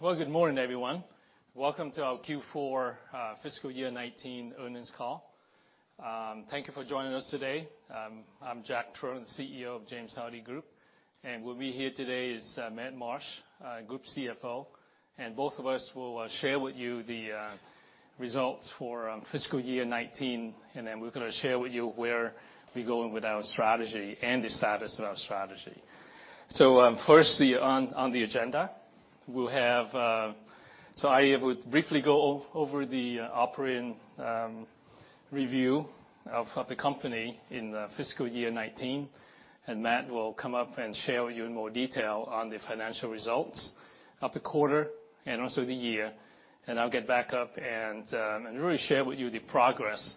Good morning, everyone. Welcome to our Q4 fiscal year 2019 earnings call. Thank you for joining us today. I'm Jack Truong, the CEO of James Hardie Group, and with me here today is Matt Marsh, Group CFO. And both of us will share with you the results for fiscal year 2019, and then we're gonna share with you where we're going with our strategy and the status of our strategy. So, firstly, on the agenda, we'll have. So I would briefly go over the operating review of the company in the fiscal year 2019, and Matt will come up and share with you in more detail on the financial results of the quarter and also the year. And I'll get back up and really share with you the progress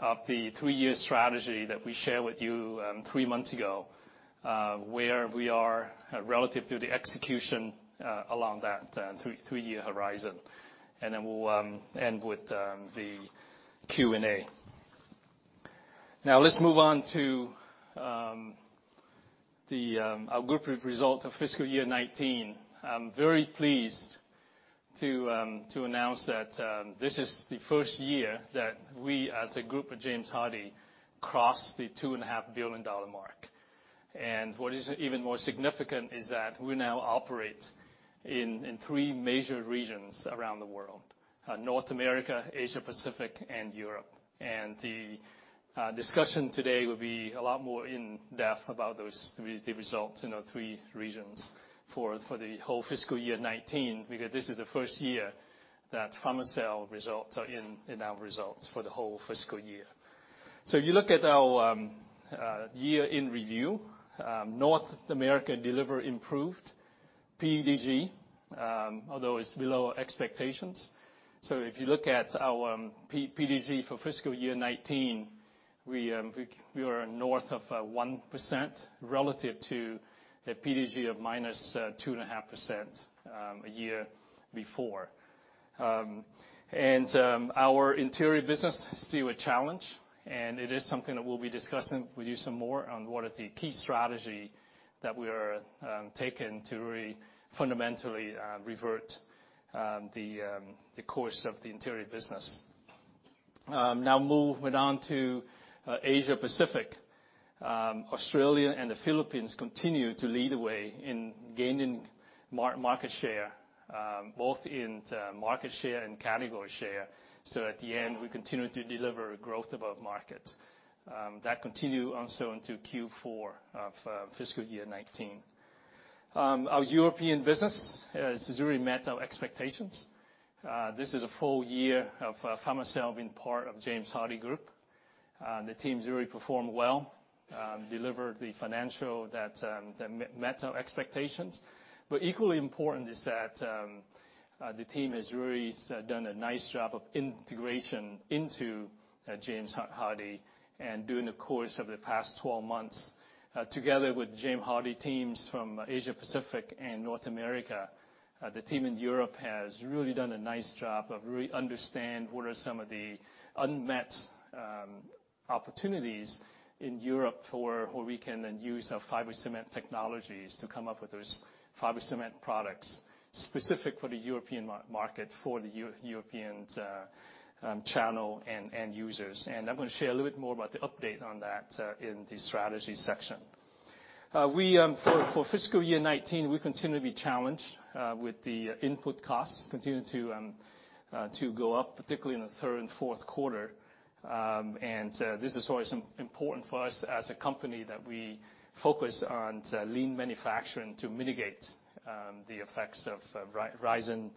of the three-year strategy that we shared with you three months ago, where we are relative to the execution along that three-year horizon. And then we'll end with the Q&A. Now, let's move on to our group result of fiscal year 2019. I'm very pleased to announce that this is the first year that we, as the group of James Hardie, crossed the $2.5 billion mark. And what is even more significant is that we now operate in three major regions around the world, North America, Asia Pacific, and Europe. And the discussion today will be a lot more in-depth about those results in our three regions for the whole fiscal year 2019, because this is the first year that Fermacell results are in our results for the whole fiscal year. So if you look at our year in review, North America delivered improved PDG, although it's below expectations. So if you look at our PDG for fiscal year 2019, we were north of 1% relative to a PDG of -2.5%, a year before. And, our interior business is still a challenge, and it is something that we'll be discussing with you some more on what are the key strategy that we are taking to really fundamentally revert the course of the interior business. Now moving on to Asia Pacific. Australia and the Philippines continue to lead the way in gaining market share, both in market share and category share. So at the end, we continue to deliver growth above market. That continued also into Q4 of fiscal year 2019. Our European business. This really met our expectations. This is a full year of Fermacell being part of James Hardie Group. The team really performed well, delivered the financial that met our expectations. But equally important is that the team has really done a nice job of integration into James Hardie. And during the course of the past twelve months, together with James Hardie teams from Asia Pacific and North America, the team in Europe has really done a nice job of really understand what are some of the unmet opportunities in Europe for where we can then use our fiber cement technologies to come up with those fiber cement products, specific for the European market, for the European channel and end users. And I'm gonna share a little bit more about the update on that in the strategy section. We for fiscal year '19 we continue to be challenged with the input costs continuing to go up, particularly in the third and fourth quarter. This is always important for us as a company that we focus on lean manufacturing to mitigate the effects of rising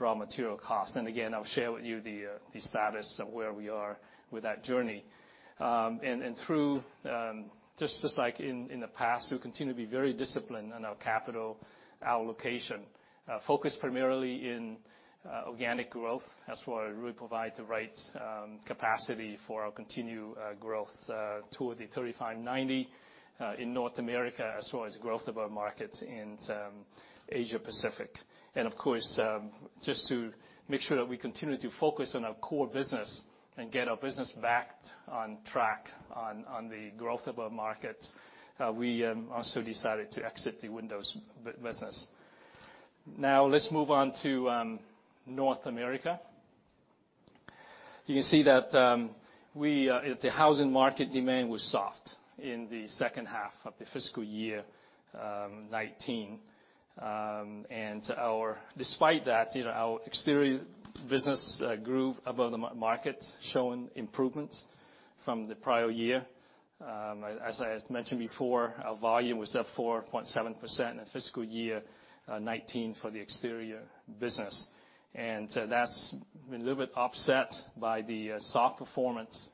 raw material costs. Again, I'll share with you the status of where we are with that journey. Through just like in the past, we continue to be very disciplined in our capital allocation focused primarily in organic growth. That's where we provide the right capacity for our continued growth toward the Thirty-Five/Ninety in North America, as well as growth of our markets in Asia Pacific. And of course, just to make sure that we continue to focus on our core business and get our business back on track on the growth of our markets, we also decided to exit the windows business. Now, let's move on to North America. You can see that the housing market demand was soft in the second half of the fiscal year 2019. Despite that, you know, our exterior business grew above the market, showing improvements from the prior year. As mentioned before, our volume was up 4.7% in the fiscal year 2019 for the exterior business. That's been a little bit offset by the soft performance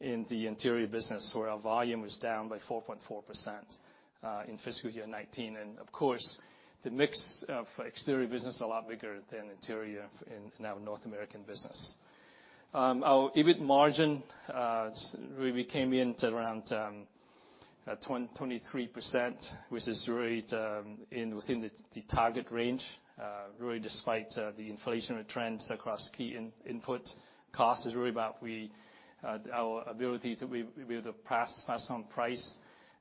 in the interior business, where our volume was down by 4.4% in fiscal year 2019. Of course, the mix of exterior business is a lot bigger than interior in our North American business. Our EBIT margin really came in to around 23%, which is really within the target range. Really, despite the inflationary trends across key input costs, it is really about our ability to be able to pass on price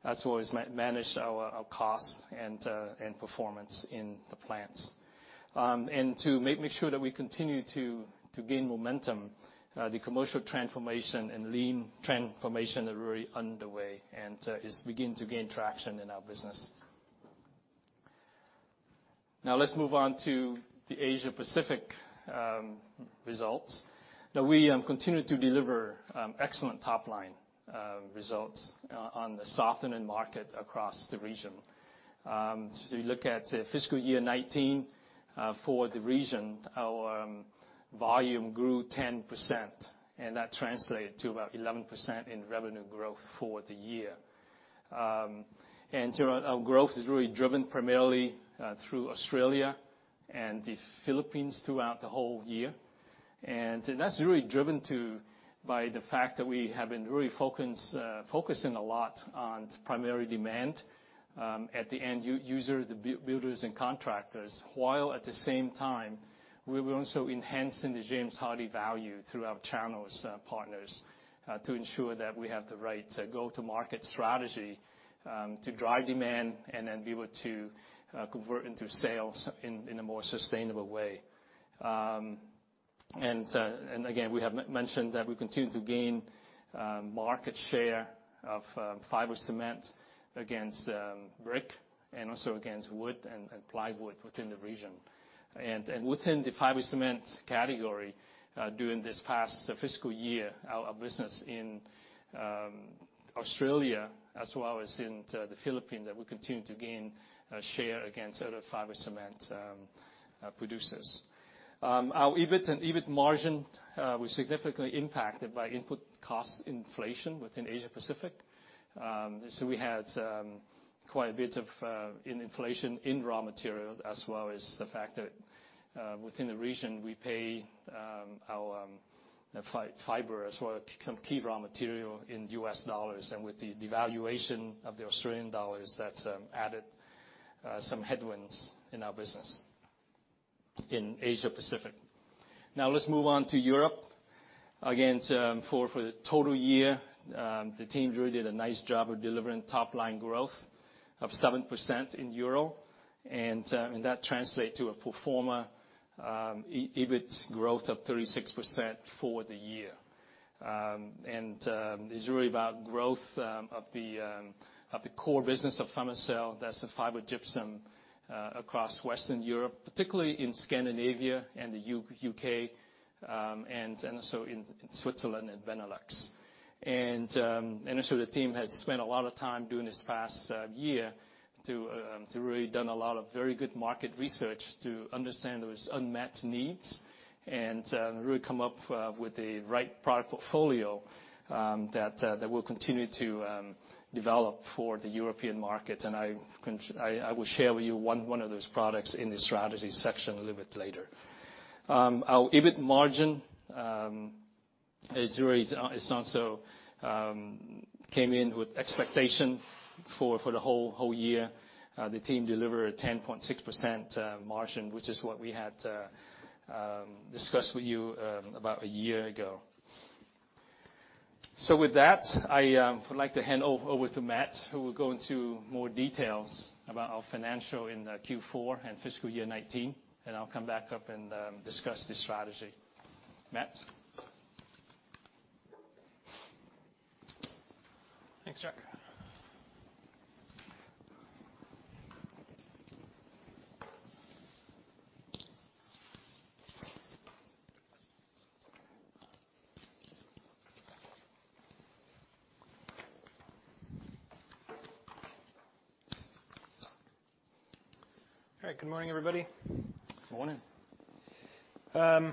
as well as manage our costs and performance in the plants. and to make sure that we continue to gain momentum, the Commercial Transformation and Lean Transformation are really underway and is beginning to gain traction in our business. Now let's move on to the Asia Pacific results. Now we continue to deliver excellent top line results on the softening market across the region. As we look at fiscal year 2019 for the region, our volume grew 10%, and that translated to about 11% in revenue growth for the year. And so our growth is really driven primarily through Australia and the Philippines throughout the whole year. And that's really driven by the fact that we have been really focusing a lot on primary demand at the end user, the builders and contractors, while at the same time, we were also enhancing the James Hardie value through our channel partners to ensure that we have the right go-to-market strategy to drive demand and then be able to convert into sales in a more sustainable way. And again, we have mentioned that we continue to gain market share of fiber cement against brick and also against wood and plywood within the region. And within the fiber cement category, during this past fiscal year, our business in Australia, as well as in the Philippines, that we continue to gain share against other fiber cement producers. Our EBIT and EBIT margin was significantly impacted by input cost inflation within Asia Pacific. So we had quite a bit of inflation in raw materials, as well as the fact that, within the region, we pay our fiber as well, a key raw material in U.S. dollars, and with the devaluation of the Australian dollars, that's added some headwinds in our business in Asia Pacific. Now let's move on to Europe. Again, for the total year, the team really did a nice job of delivering top-line growth of 7% in euro, and that translate to a pro forma EBIT growth of 36% for the year, and it's really about growth of the core business of Fermacell. That's the fiber gypsum across Western Europe, particularly in Scandinavia and the U.K., and also in Switzerland and Benelux. And also, the team has spent a lot of time during this past year to really done a lot of very good market research to understand those unmet needs and really come up with the right product portfolio that will continue to develop for the European market. And I will share with you one of those products in the strategy section a little bit later. Our EBIT margin is really not so came in with expectation for the whole year. The team delivered a 10.6% margin, which is what we had discussed with you about a year ago. So with that, I would like to hand over to Matt, who will go into more details about our financials in the Q4 and fiscal year 2019, and I'll come back up and discuss the strategy. Matt? Thanks, Jack. All right. Good morning, everybody. Good morning.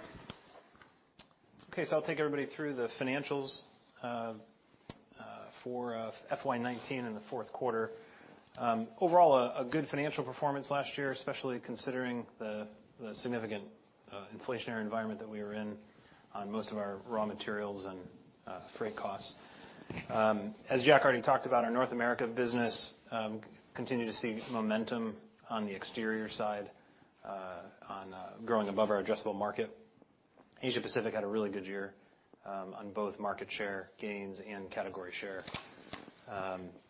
Okay, so I'll take everybody through the financials for FY nineteen in the fourth quarter. Overall, a good financial performance last year, especially considering the significant inflationary environment that we were in on most of our raw materials and freight costs. As Jack already talked about, our North America business continued to see momentum on the exterior side, on growing above our addressable market. Asia Pacific had a really good year, on both market share gains and category share,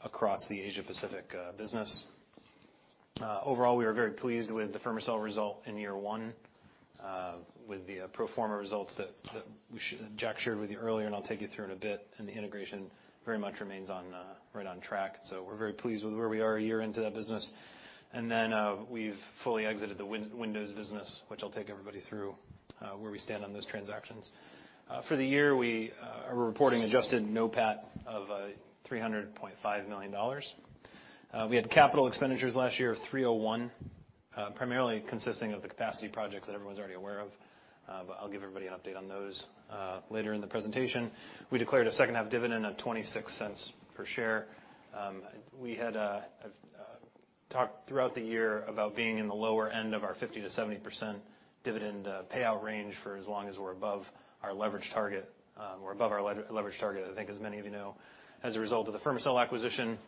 across the Asia Pacific business. Overall, we are very pleased with the Fermacell result in year one, with the pro forma results that we should- Jack shared with you earlier, and I'll take you through in a bit, and the integration very much remains on, right on track. So we're very pleased with where we are a year into that business. And then, we've fully exited the windows business, which I'll take everybody through, where we stand on those transactions. For the year, we are reporting adjusted NOPAT of $300.5 million. We had capital expenditures last year of $301 million, primarily consisting of the capacity projects that everyone's already aware of, but I'll give everybody an update on those later in the presentation. We declared a second-half dividend of $0.26 per share. We had talked throughout the year about being in the lower end of our 50%-70% dividend payout range for as long as we're above our leverage target, or above our leverage target, I think, as many of you know, as a result of the Fermacell acquisition.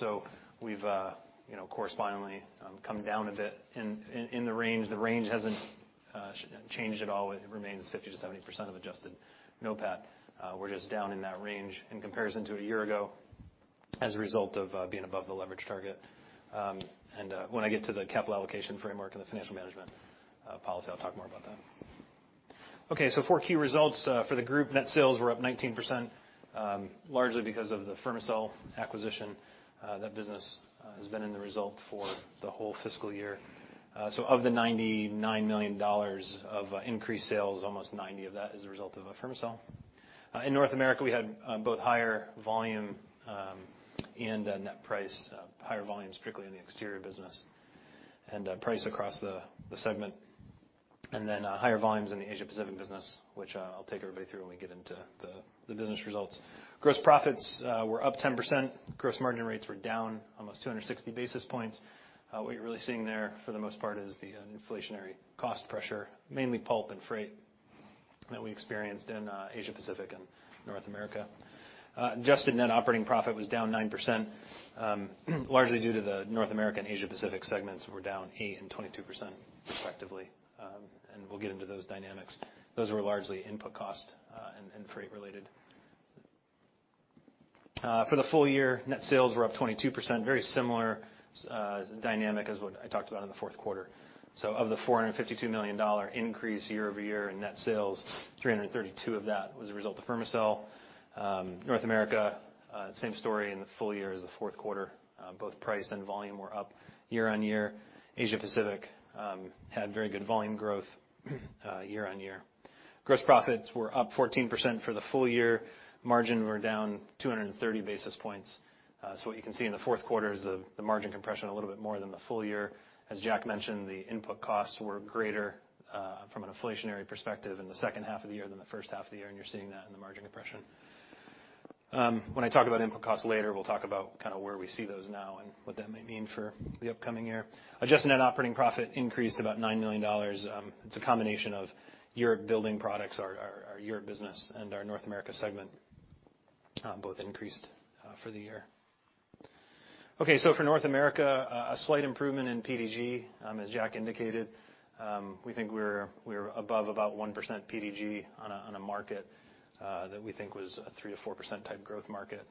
So we've, you know, correspondingly, come down a bit in the range. The range hasn't changed at all. It remains 50%-70% of Adjusted NOPAT. We're just down in that range in comparison to a year ago... as a result of being above the leverage target, and when I get to the capital allocation framework and the financial management policy, I'll talk more about that. Okay, so four key results. For the group, net sales were up 19%, largely because of the Fermacell acquisition. That business has been in the result for the whole fiscal year, so of the $99 million of increased sales, almost $90 million of that is a result of Fermacell. In North America, we had both higher volume and net price, higher volumes strictly in the exterior business, and price across the segment, and then higher volumes in the Asia Pacific business, which I'll take everybody through when we get into the business results. Gross profits were up 10%. Gross margin rates were down almost 260 basis points. What you're really seeing there, for the most part, is the inflationary cost pressure, mainly pulp and freight, that we experienced in Asia Pacific and North America. Adjusted net operating profit was down 9%, largely due to the North American and Asia Pacific segments, which were down 8% and 22%, respectively, and we'll get into those dynamics. Those were largely input cost and freight related. For the full year, net sales were up 22%, very similar dynamic as what I talked about in the fourth quarter, so of the $452 million increase year over year in net sales, $332 million of that was a result of Fermacell. North America, same story in the full year as the fourth quarter. Both price and volume were up year on year. Asia Pacific had very good volume growth year on year. Gross profits were up 14% for the full year. Margins were down 230 basis points. So what you can see in the fourth quarter is the margin compression a little bit more than the full year. As Jack mentioned, the input costs were greater from an inflationary perspective in the second half of the year than the first half of the year, and you're seeing that in the margin compression. When I talk about input costs later, we'll talk about kind of where we see those now and what that may mean for the upcoming year. Adjusted net operating profit increased about $9 million. It's a combination of Europe Building Products, our Europe business, and our North America segment both increased for the year. Okay, so for North America, a slight improvement in PDG, as Jack indicated. We think we're, we were above about 1% PDG on a market that we think was a 3%-4% type growth market,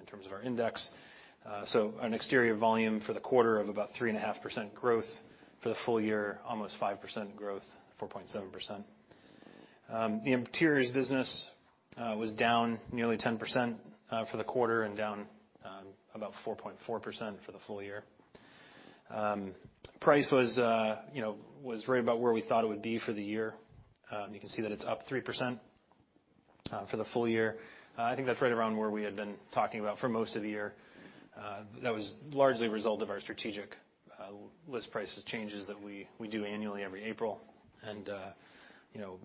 in terms of our index. So an exterior volume for the quarter of about 3.5% growth. For the full year, almost 5% growth, 4.7%. The interiors business was down nearly 10%, for the quarter and down about 4.4% for the full year. Price was, you know, was right about where we thought it would be for the year. You can see that it's up 3%, for the full year. I think that's right around where we had been talking about for most of the year. That was largely a result of our strategic list prices changes that we do annually every April. You know,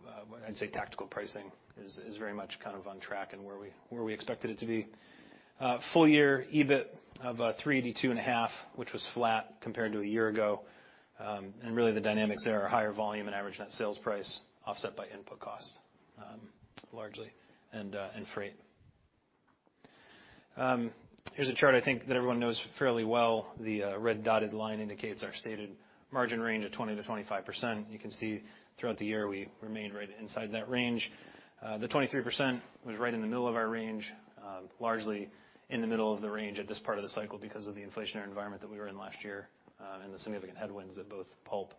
I'd say tactical pricing is very much kind of on track and where we expected it to be. Full year EBIT of $382.5, which was flat compared to a year ago. Really, the dynamics there are higher volume and average net sales price, offset by input costs, largely, and freight. Here's a chart I think that everyone knows fairly well. The red dotted line indicates our stated margin range of 20%-25%. You can see throughout the year, we remained right inside that range. The 23% was right in the middle of our range, largely in the middle of the range at this part of the cycle because of the inflationary environment that we were in last year, and the significant headwinds that both pulp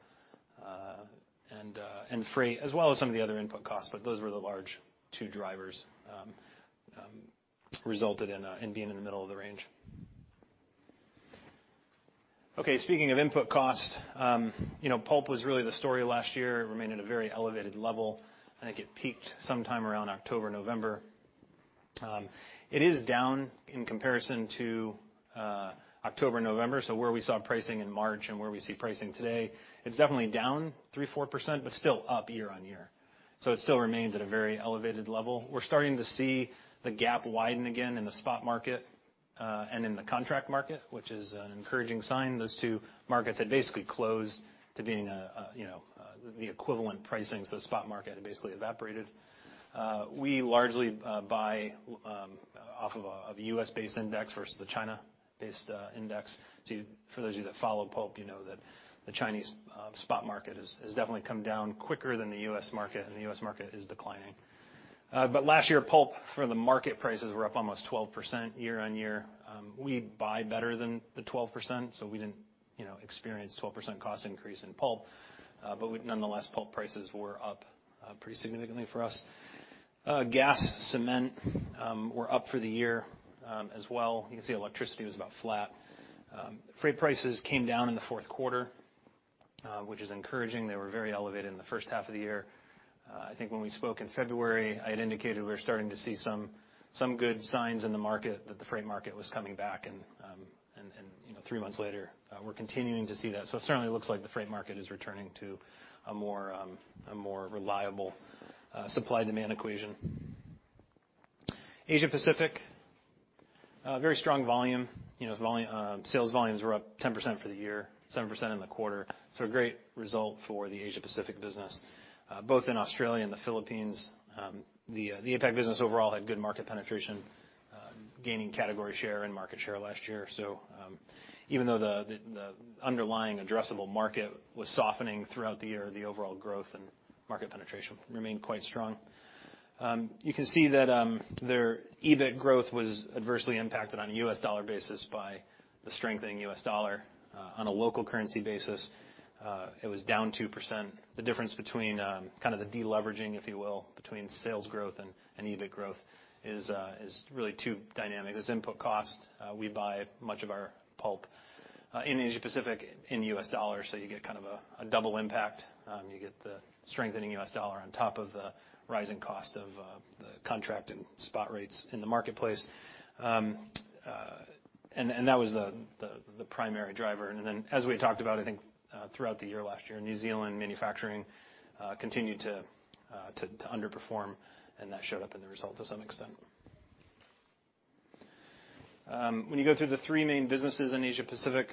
and freight, as well as some of the other input costs, but those were the large two drivers, resulted in being in the middle of the range. Okay, speaking of input costs, you know, pulp was really the story last year. It remained at a very elevated level. I think it peaked sometime around October, November. It is down in comparison to October, November, so where we saw pricing in March and where we see pricing today, it's definitely down 3-4%, but still up year on year. So it still remains at a very elevated level. We're starting to see the gap widen again in the spot market, and in the contract market, which is an encouraging sign. Those two markets had basically closed to being, you know, the equivalent pricing, so the spot market had basically evaporated. We largely buy off of a US-based index versus the China-based index. So for those of you that follow pulp, you know that the Chinese spot market has definitely come down quicker than the US market, and the US market is declining. But last year, pulp, for the market, prices were up almost 12% year on year. We buy better than the 12%, so we didn't, you know, experience 12% cost increase in pulp. But nonetheless, pulp prices were up pretty significantly for us. Gas, cement, were up for the year, as well. You can see electricity was about flat. Freight prices came down in the fourth quarter, which is encouraging. They were very elevated in the first half of the year. I think when we spoke in February, I had indicated we were starting to see some good signs in the market, that the freight market was coming back, and you know, three months later, we're continuing to see that. So it certainly looks like the freight market is returning to a more reliable supply-demand equation. Asia Pacific very strong volume. You know, volume sales volumes were up 10% for the year, 7% in the quarter, so a great result for the Asia Pacific business. Both in Australia and the Philippines, the APAC business overall had good market penetration, gaining category share and market share last year. So, even though the underlying addressable market was softening throughout the year, the overall growth and market penetration remained quite strong. You can see that, their EBIT growth was adversely impacted on a US dollar basis by the strengthening US dollar. On a local currency basis, it was down 2%. The difference between, kind of the de-leveraging, if you will, between sales growth and EBIT growth is really two dynamics. There's input costs. We buy much of our pulp in Asia Pacific, in US dollars, so you get kind of a double impact. You get the strengthening US dollar on top of the rising cost of the contract and spot rates in the marketplace. And that was the primary driver. And then as we had talked about, I think, throughout the year, last year, New Zealand manufacturing continued to underperform, and that showed up in the result to some extent. When you go through the three main businesses in Asia Pacific,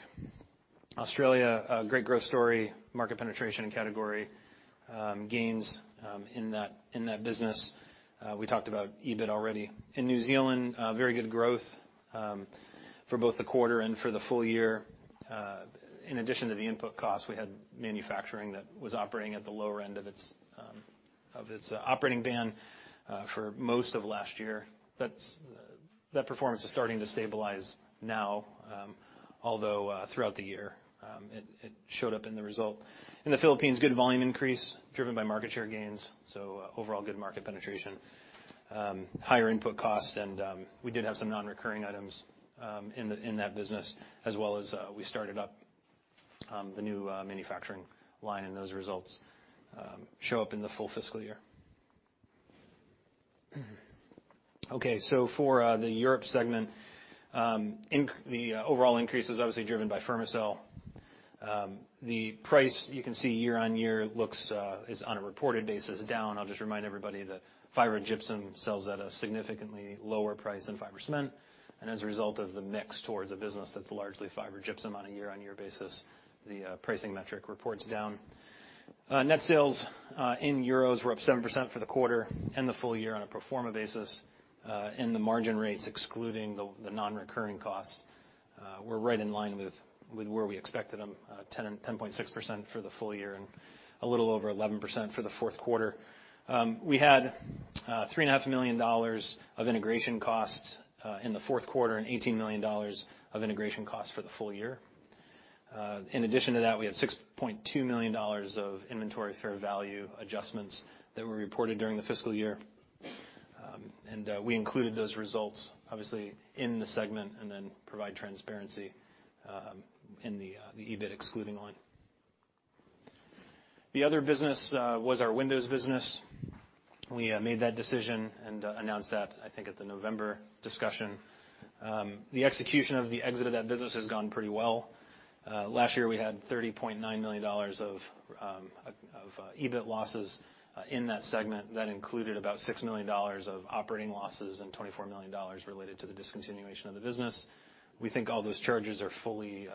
Australia, a great growth story, market penetration and category gains in that business. We talked about EBIT already. In New Zealand, very good growth for both the quarter and for the full year. In addition to the input costs, we had manufacturing that was operating at the lower end of its operating band for most of last year. That performance is starting to stabilize now, although throughout the year, it showed up in the result. In the Philippines, good volume increase driven by market share gains, so overall good market penetration. Higher input costs, and we did have some non-recurring items in that business, as well as we started up the new manufacturing line, and those results show up in the full fiscal year. Okay, so for the Europe segment, the overall increase is obviously driven by Fermacell. The price you can see year on year looks is on a reported basis, down. I'll just remind everybody that fiber gypsum sells at a significantly lower price than fiber cement. And as a result of the mix towards a business that's largely fiber gypsum on a year-on-year basis, the pricing metric reports down. Net sales in euros were up 7% for the quarter and the full year on a pro forma basis. And the margin rates, excluding the non-recurring costs, were right in line with where we expected them, 10% and 10.6% for the full year and a little over 11% for the fourth quarter. We had $3.5 million of integration costs in the fourth quarter and $18 million of integration costs for the full year. In addition to that, we had $6.2 million of inventory fair value adjustments that were reported during the fiscal year. And we included those results, obviously, in the segment, and then provide transparency in the EBIT excluding line. The other business was our windows business. We made that decision and announced that, I think, at the November discussion. The execution of the exit of that business has gone pretty well. Last year, we had $30.9 million of EBIT losses in that segment. That included about $6 million of operating losses and $24 million related to the discontinuation of the business. We think all those charges are fully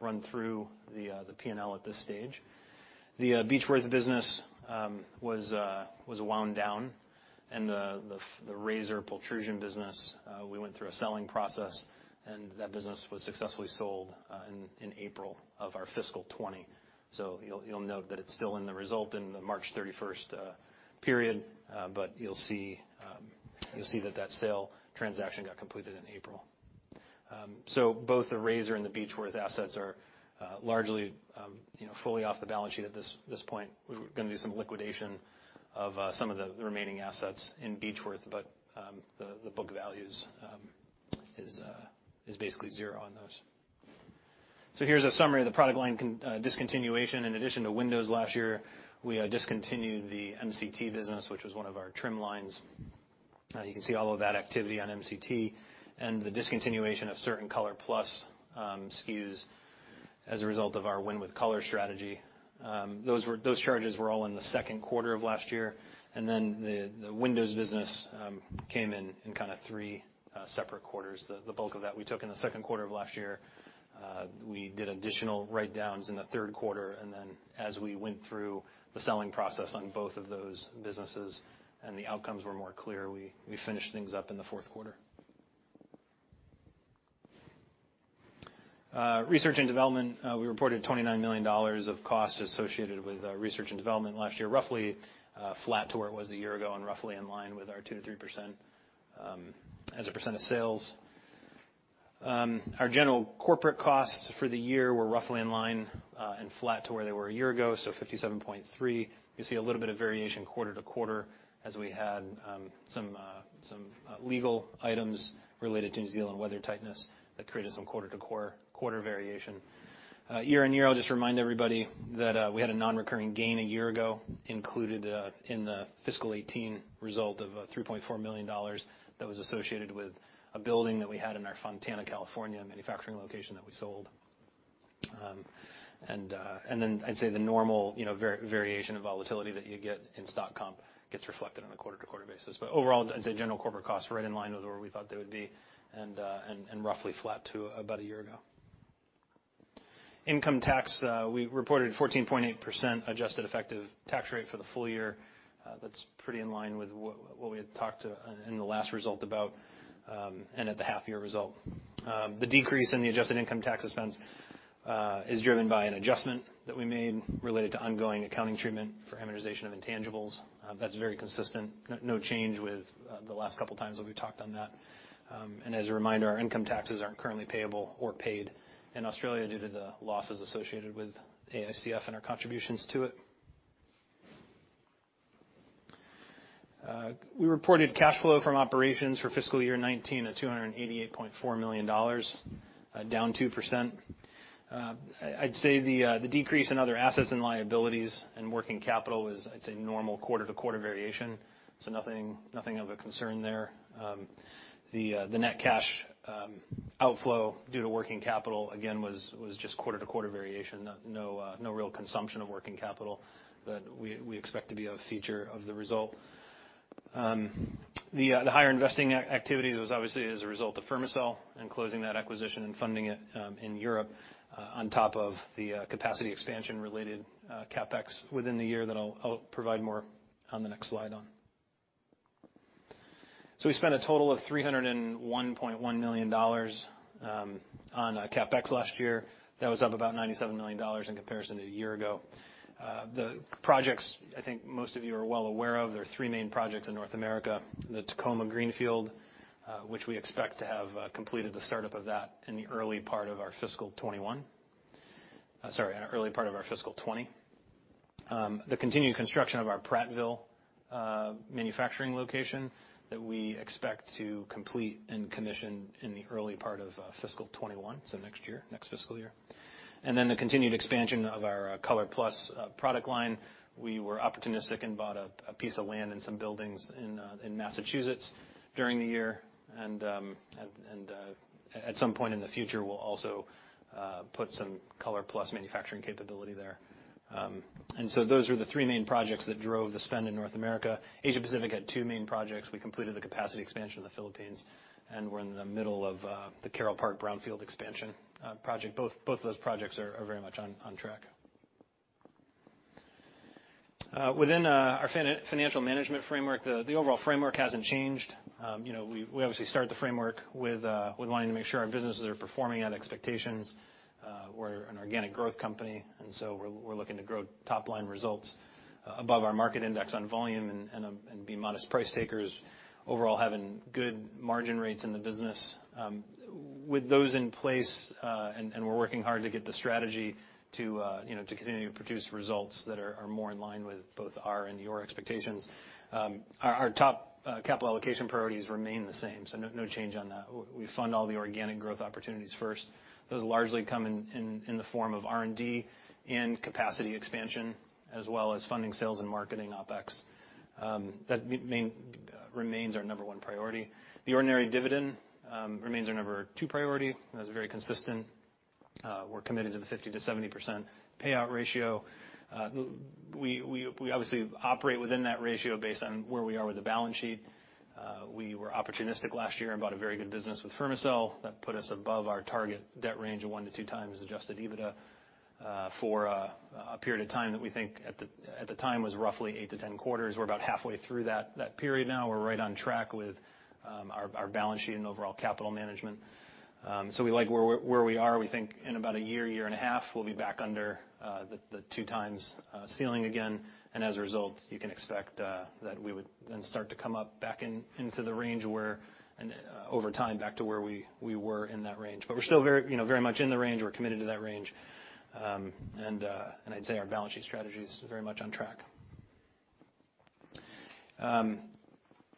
run through the P&L at this stage. The Beechworth business was wound down, and the our pultrusion business we went through a selling process, and that business was successfully sold in April of our fiscal 2020. So you'll note that it's still in the results in the March 31st period, but you'll see that that sale transaction got completed in April. So both the Razor and the Beechworth assets are largely, you know, fully off the balance sheet at this point. We're gonna do some liquidation of some of the remaining assets in Beechworth, but the book values is basically zero on those. So here's a summary of the product line discontinuation. In addition to windows last year, we discontinued the MCT business, which was one of our trim lines. You can see all of that activity on MCT and the discontinuation of certain ColorPlus SKUs as a result of our Win with Color strategy. Those charges were all in the second quarter of last year, and then the windows business came in in kind of three separate quarters. The bulk of that we took in the second quarter of last year. We did additional write-downs in the third quarter, and then as we went through the selling process on both of those businesses and the outcomes were more clear, we finished things up in the fourth quarter. Research and development, we reported $29 million of costs associated with research and development last year, roughly flat to where it was a year ago and roughly in line with our 2-3% as a % of sales. Our general corporate costs for the year were roughly in line and flat to where they were a year ago, so $57.3. You see a little bit of variation quarter to quarter, as we had some legal items related to New Zealand weathertightness that created some quarter-to-quarter variation. Year on year, I'll just remind everybody that we had a non-recurring gain a year ago, included in the fiscal 2018 result of $3.4 million, that was associated with a building that we had in our Fontana, California, manufacturing location that we sold. And then I'd say the normal, you know, variation and volatility that you get in stock comp gets reflected on a quarter-to-quarter basis. But overall, as a general corporate cost, we're right in line with where we thought they would be, and roughly flat to about a year ago. Income tax, we reported 14.8% adjusted effective tax rate for the full year. That's pretty in line with what we had talked to in the last result about, and at the half year result. The decrease in the adjusted income tax expense is driven by an adjustment that we made related to ongoing accounting treatment for amortization of intangibles. That's very consistent, no change with the last couple times that we talked on that. And as a reminder, our income taxes aren't currently payable or paid in Australia due to the losses associated with AICF and our contributions to it. We reported cash flow from operations for fiscal year 2019 at $288.4 million, down 2%. I'd say the decrease in other assets and liabilities and working capital was, I'd say, normal quarter-to-quarter variation, so nothing of a concern there. The net cash outflow due to working capital, again, was just quarter-to-quarter variation, no real consumption of working capital that we expect to be a feature of the result. The higher investing activities was obviously as a result of Fermacell and closing that acquisition and funding it in Europe, on top of the capacity expansion related CapEx within the year that I'll provide more on the next slide on. So we spent a total of $301.1 million on CapEx last year. That was up about $97 million in comparison to a year ago. The projects, I think most of you are well aware of, there are three main projects in North America: the Tacoma greenfield, which we expect to have completed the startup of that in the early part of our fiscal 2021. Sorry, in early part of our fiscal 2020. The continued construction of our Prattville manufacturing location that we expect to complete and commission in the early part of fiscal 2021, so next year, next fiscal year. And then the continued expansion of our ColorPlus product line. We were opportunistic and bought a piece of land and some buildings in Massachusetts during the year. At some point in the future, we'll also put some ColorPlus manufacturing capability there. And so those are the three main projects that drove the spend in North America. Asia Pacific had two main projects. We completed the capacity expansion in the Philippines, and we're in the middle of the Carroll Park brownfield expansion project. Both those projects are very much on track. Within our financial management framework, the overall framework hasn't changed. You know, we obviously start the framework with wanting to make sure our businesses are performing at expectations. We're an organic growth company, and so we're looking to grow top-line results above our market index on volume and be modest price takers, overall having good margin rates in the business. With those in place, and we're working hard to get the strategy to you know, to continue to produce results that are more in line with both our and your expectations. Our top capital allocation priorities remain the same, so no change on that. We fund all the organic growth opportunities first. Those largely come in the form of R&D and capacity expansion, as well as funding sales and marketing OpEx. That remains our number one priority. The ordinary dividend remains our number two priority. That is very consistent. We're committed to the 50%-70% payout ratio. We obviously operate within that ratio based on where we are with the balance sheet. We were opportunistic last year and bought a very good business with Fermacell. That put us above our target debt range of one to two times Adjusted EBITDA for a period of time that we think at the time was roughly eight to ten quarters. We're about halfway through that period now. We're right on track with our balance sheet and overall capital management. So we like where we are. We think in about a year and a half we'll be back under the two times ceiling again. And as a result you can expect that we would then start to come back into the range where and over time back to where we were in that range. But we're still very you know very much in the range. We're committed to that range. I'd say our balance sheet strategy is very much on track.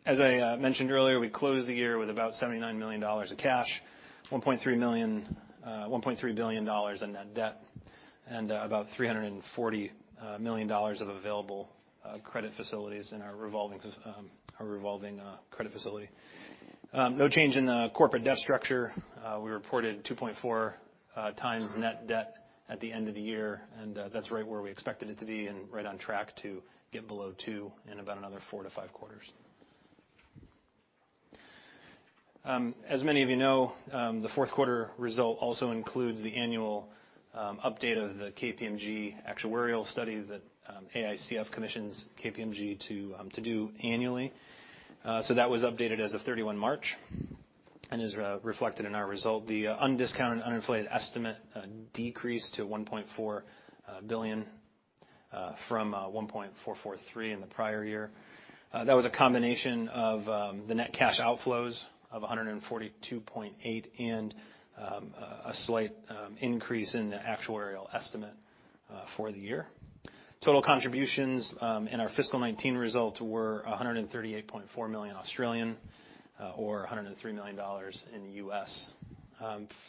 As I mentioned earlier, we closed the year with about $79 million of cash, $1.3 billion in net debt, and about $340 million of available credit facilities in our revolving credit facility. No change in the corporate debt structure. We reported 2.4 times net debt at the end of the year, and that's right where we expected it to be and right on track to get below two in about another 4-5 quarters. As many of you know, the fourth quarter result also includes the annual update of the KPMG actuarial study that AICF commissions KPMG to do annually. So that was updated as of 31 March and is reflected in our result. The undiscounted, uninflated estimate decreased to $1.4 billion from $1.443 billion in the prior year. That was a combination of the net cash outflows of 142.8 million and a slight increase in the actuarial estimate for the year. Total contributions in our fiscal 2019 results were 138.4 million or $103 million in the US.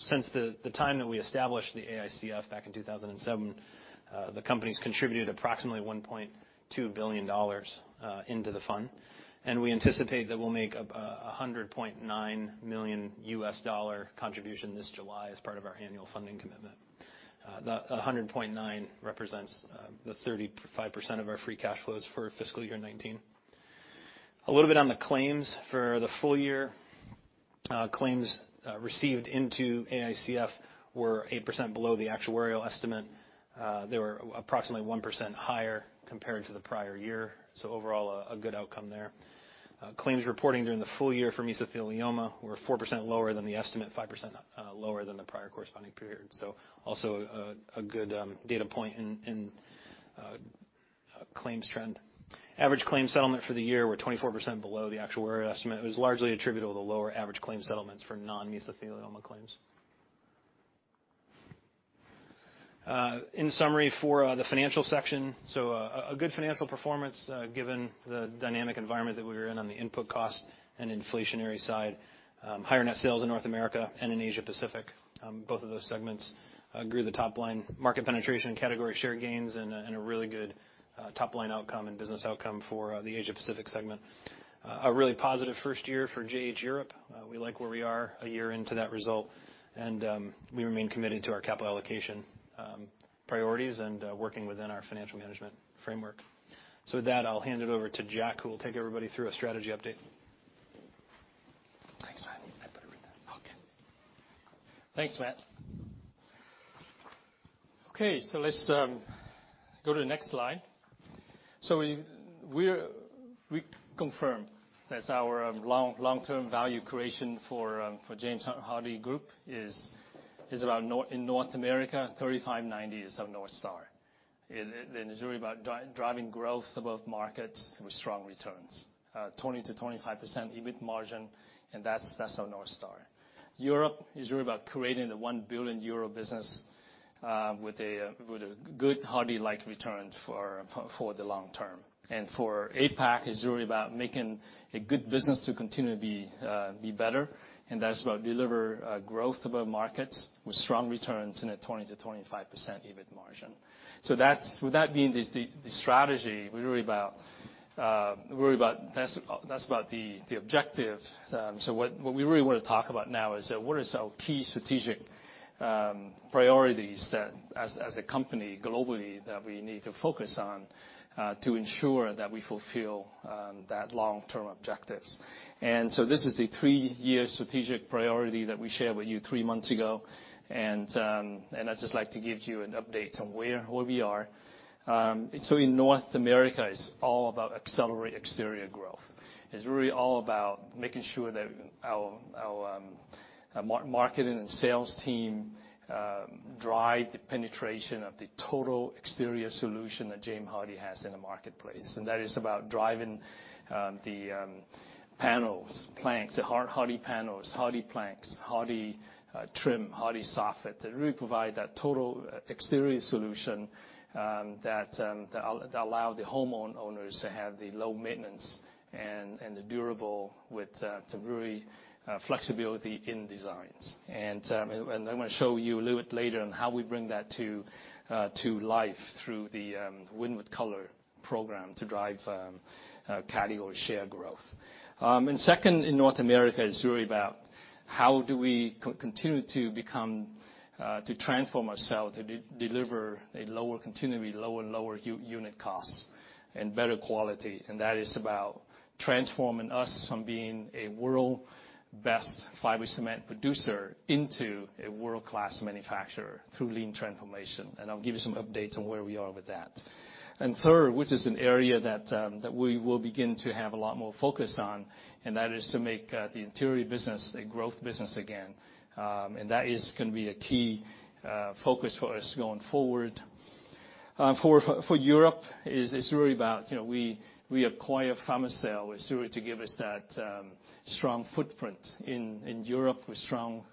Since the time that we established the AICF back in 2007, the company's contributed approximately $1.2 billion into the fund, and we anticipate that we'll make a $100.9 million contribution this July as part of our annual funding commitment. The $100.9 million represents the 35% of our free cash flows for fiscal year 2019. A little bit on the claims. For the full year, claims received into AICF were 8% below the actuarial estimate. They were approximately 1% higher compared to the prior year. So overall, a good outcome there. Claims reporting during the full year for mesothelioma were 4% lower than the estimate, 5% lower than the prior corresponding period. So also a good data point in a claims trend. Average claim settlement for the year were 24% below the actuarial estimate. It was largely attributable to the lower average claim settlements for non-mesothelioma claims. In summary, for the financial section, so a good financial performance given the dynamic environment that we were in on the input cost and inflationary side. Higher net sales in North America and in Asia Pacific. Both of those segments grew the top line market penetration and category share gains, and a really good top-line outcome and business outcome for the Asia Pacific segment. A really positive first year for JH Europe. We like where we are a year into that result, and we remain committed to our capital allocation priorities and working within our financial management framework, so with that, I'll hand it over to Jack, who will take everybody through a strategy update. Thanks. I better read that. Okay. Thanks, Matt. Okay, so let's go to the next slide. So we confirm that our long-term value creation for James Hardie Group is about in North America, 35/90 is our North Star. It and it's really about driving growth above markets with strong returns. 20%-25% EBIT margin, and that's our North Star. Europe is really about creating a 1 billion euro business with a good Hardie-like return for the long term. And for APAC, it's really about making a good business to continue to be better, and that's about deliver growth above markets with strong returns in a 20%-25% EBIT margin. So that's... With that being the strategy, we're really about. That's about the objective. So what we really want to talk about now is what is our key strategic priorities that as a company globally that we need to focus on to ensure that we fulfill that long-term objectives? And so this is the three-year strategic priority that we shared with you three months ago, and I'd just like to give you an update on where we are. And so in North America, it's all about accelerate exterior growth. It's really all about making sure that our marketing and sales team drive the penetration of the total exterior solution that James Hardie has in the marketplace. And that is about driving the panels, planks, the Hardie panels, Hardie plank, Hardie trim, Hardie Soffit, to really provide that total exterior solution that allows homeowners to have the low maintenance and the durable with flexibility in designs. And I'm gonna show you a little bit later on how we bring that to life through the Win with Color program to drive category share growth. Second, in North America, it's really about how do we continue to transform ourselves to deliver continually lower and lower unit costs and better quality? And that is about transforming us from being a world-best fiber cement producer into a world-class manufacturer through lean transformation, and I'll give you some updates on where we are with that. Third, which is an area that we will begin to have a lot more focus on, and that is to make the interior business a growth business again. And that is gonna be a key focus for us going forward. For Europe, it's really about, you know, we acquire Fermacell, it's really to give us that strong footprint in Europe, with strong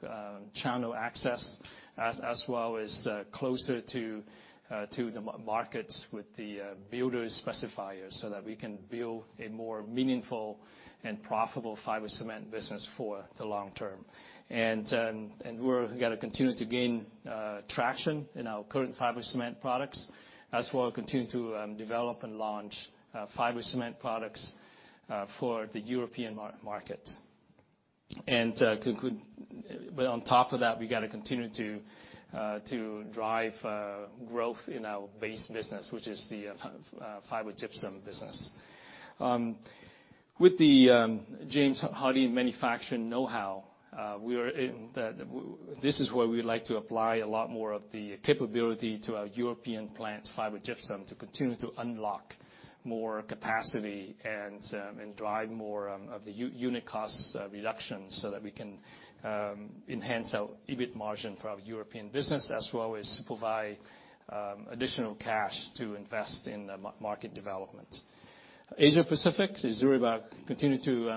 channel access, as well as closer to the markets with the builders specifiers, so that we can build a more meaningful and profitable fiber cement business for the long term. We're gonna continue to gain traction in our current fiber cement products, as well as continue to develop and launch fiber cement products for the European market. But on top of that, we gotta continue to drive growth in our base business, which is the fiber gypsum business. With the James Hardie manufacturing know-how, this is where we'd like to apply a lot more of the capability to our European plant fiber gypsum, to continue to unlock more capacity and drive more of the unit costs reduction, so that we can enhance our EBIT margin for our European business, as well as provide additional cash to invest in the market development. Asia Pacific is really about continue to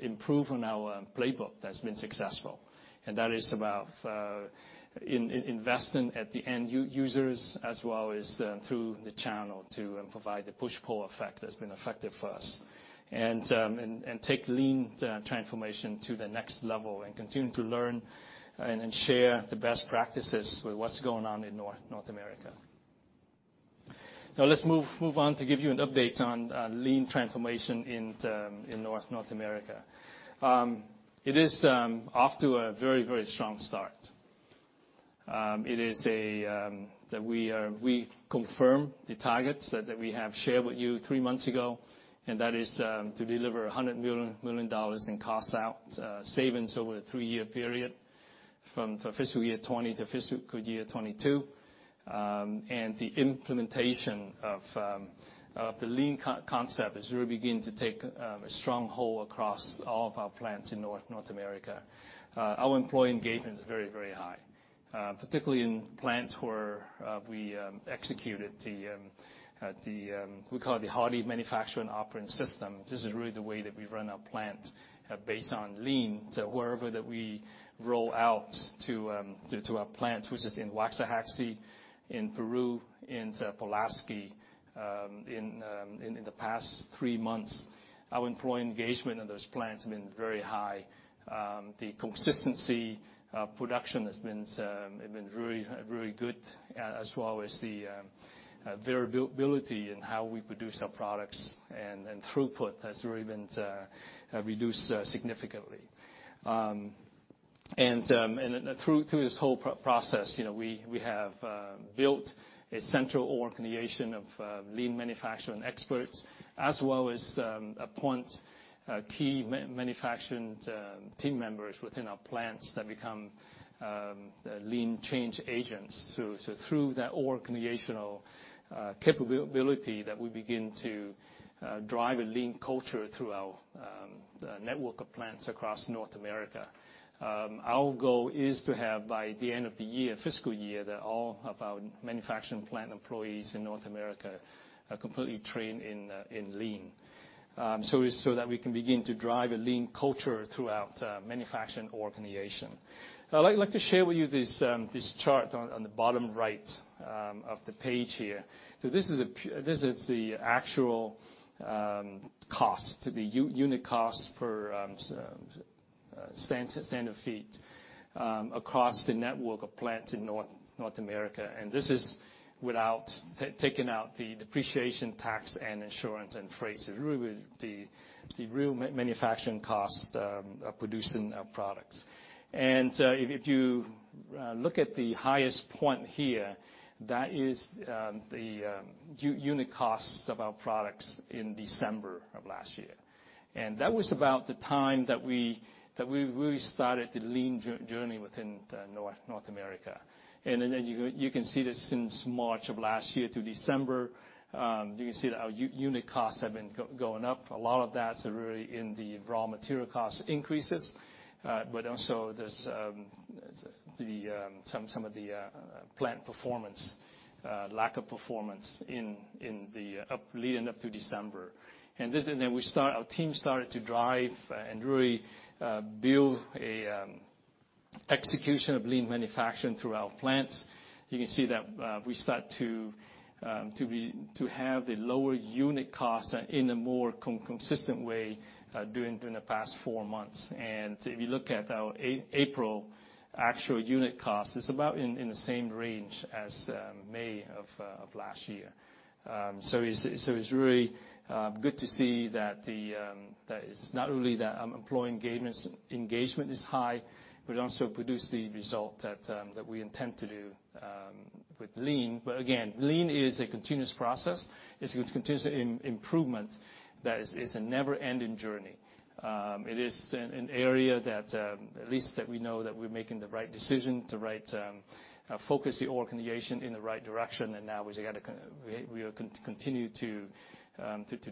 improve on our playbook that's been successful. And that is about investing at the end users, as well as through the channel to provide the push-pull effect that's been effective for us, and take lean transformation to the next level and continue to learn and then share the best practices with what's going on in North America. Now let's move on to give you an update on lean transformation in North America. It is off to a very strong start. It is that we are... We confirm the targets that we have shared with you three months ago, and that is to deliver $100 million in cost out savings over a three-year period from the fiscal year 2020 to fiscal year 2022, and the implementation of the lean concept is really beginning to take a strong hold across all of our plants in North America. Our employee engagement is very, very high, particularly in plants where we executed the we call it the Hardie Manufacturing Operating System. This is really the way that we run our plant, based on lean. So wherever that we roll out to our plants, which is in Waxahachie, in Peru, into Pulaski, in the past three months, our employee engagement in those plants have been very high. The consistency of production has been very, very good, as well as the variability in how we produce our products, and throughput has really been reduced significantly. And through this whole process, you know, we have built a central organization of lean manufacturing experts, as well as appoint key manufacturing team members within our plants that become lean change agents. So through that organizational capability that we begin to drive a lean culture through the network of plants across North America. Our goal is to have, by the end of the year, fiscal year, that all of our manufacturing plant employees in North America are completely trained in lean. So that we can begin to drive a lean culture throughout manufacturing organization. I'd like to share with you this chart on the bottom right of the page here. So this is the actual cost, the unit cost per standard feet across the network of plants in North America. And this is without taking out the depreciation, tax, and insurance, and freight. So really, the real manufacturing cost of producing our products. If you look at the highest point here, that is the unit costs of our products in December of last year. That was about the time that we really started the lean journey within North America. You can see that since March of last year to December, our unit costs have been going up. A lot of that is really in the raw material cost increases, but also there's some of the lack of plant performance in the lead-up to December. Our team started to drive and really build an execution of lean manufacturing through our plants. You can see that we start to have the lower unit costs in a more consistent way during the past four months. And if you look at our April actual unit cost, it's about in the same range as May of last year. So it's really good to see that it's not only that employee engagement is high, but it also produce the result that we intend to do with lean. But again, lean is a continuous process. It's a continuous improvement that is a never-ending journey. It is an area that at least we know that we're making the right decision, the right focus the organization in the right direction, and now we gotta continue to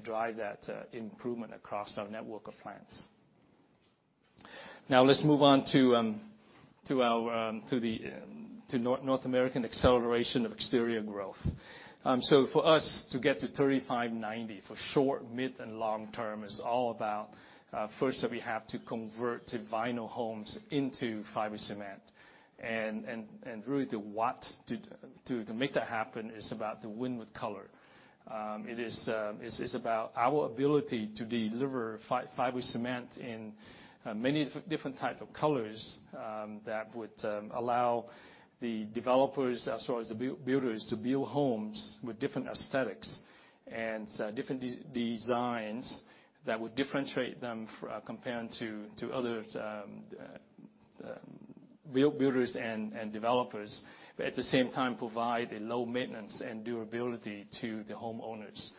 drive that improvement across our network of plants. Now, let's move on to our North American acceleration of exterior growth. So for us to get to 35/90 for short, mid, and long term is all about first that we have to convert vinyl homes into fiber cement. And really, what it takes to make that happen is about to Win with Color. It's about our ability to deliver fiber cement in many different type of colors that would allow the developers, as well as the builders, to build homes with different aesthetics and different designs that would differentiate them from other builders and developers, but at the same time provide a low maintenance and durability to the homeowners.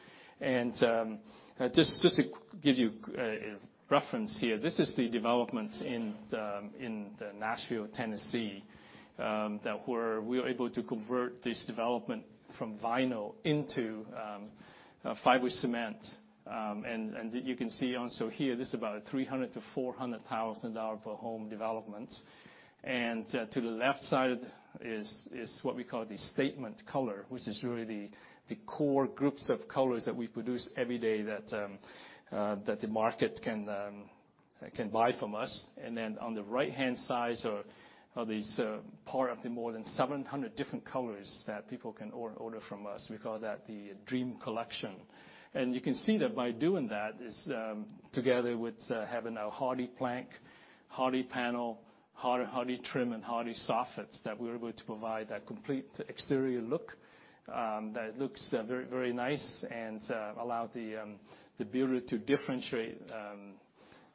Just to give you reference here, this is the development in the Nashville, Tennessee, that we were able to convert this development from vinyl into fiber cement. And you can see also here, this is about a $300,000-$400,000 per home development. To the left side is what we call the statement color, which is really the core groups of colors that we produce every day that the market can buy from us. And then on the right-hand side are these part of the more than 700 different colors that people can order from us. We call that the Dream Collection. And you can see that by doing that, together with having our HardiePlank, HardiePanel, HardieTrim, and HardieSoffit, that we're able to provide that complete exterior look that looks very, very nice and allow the builder to differentiate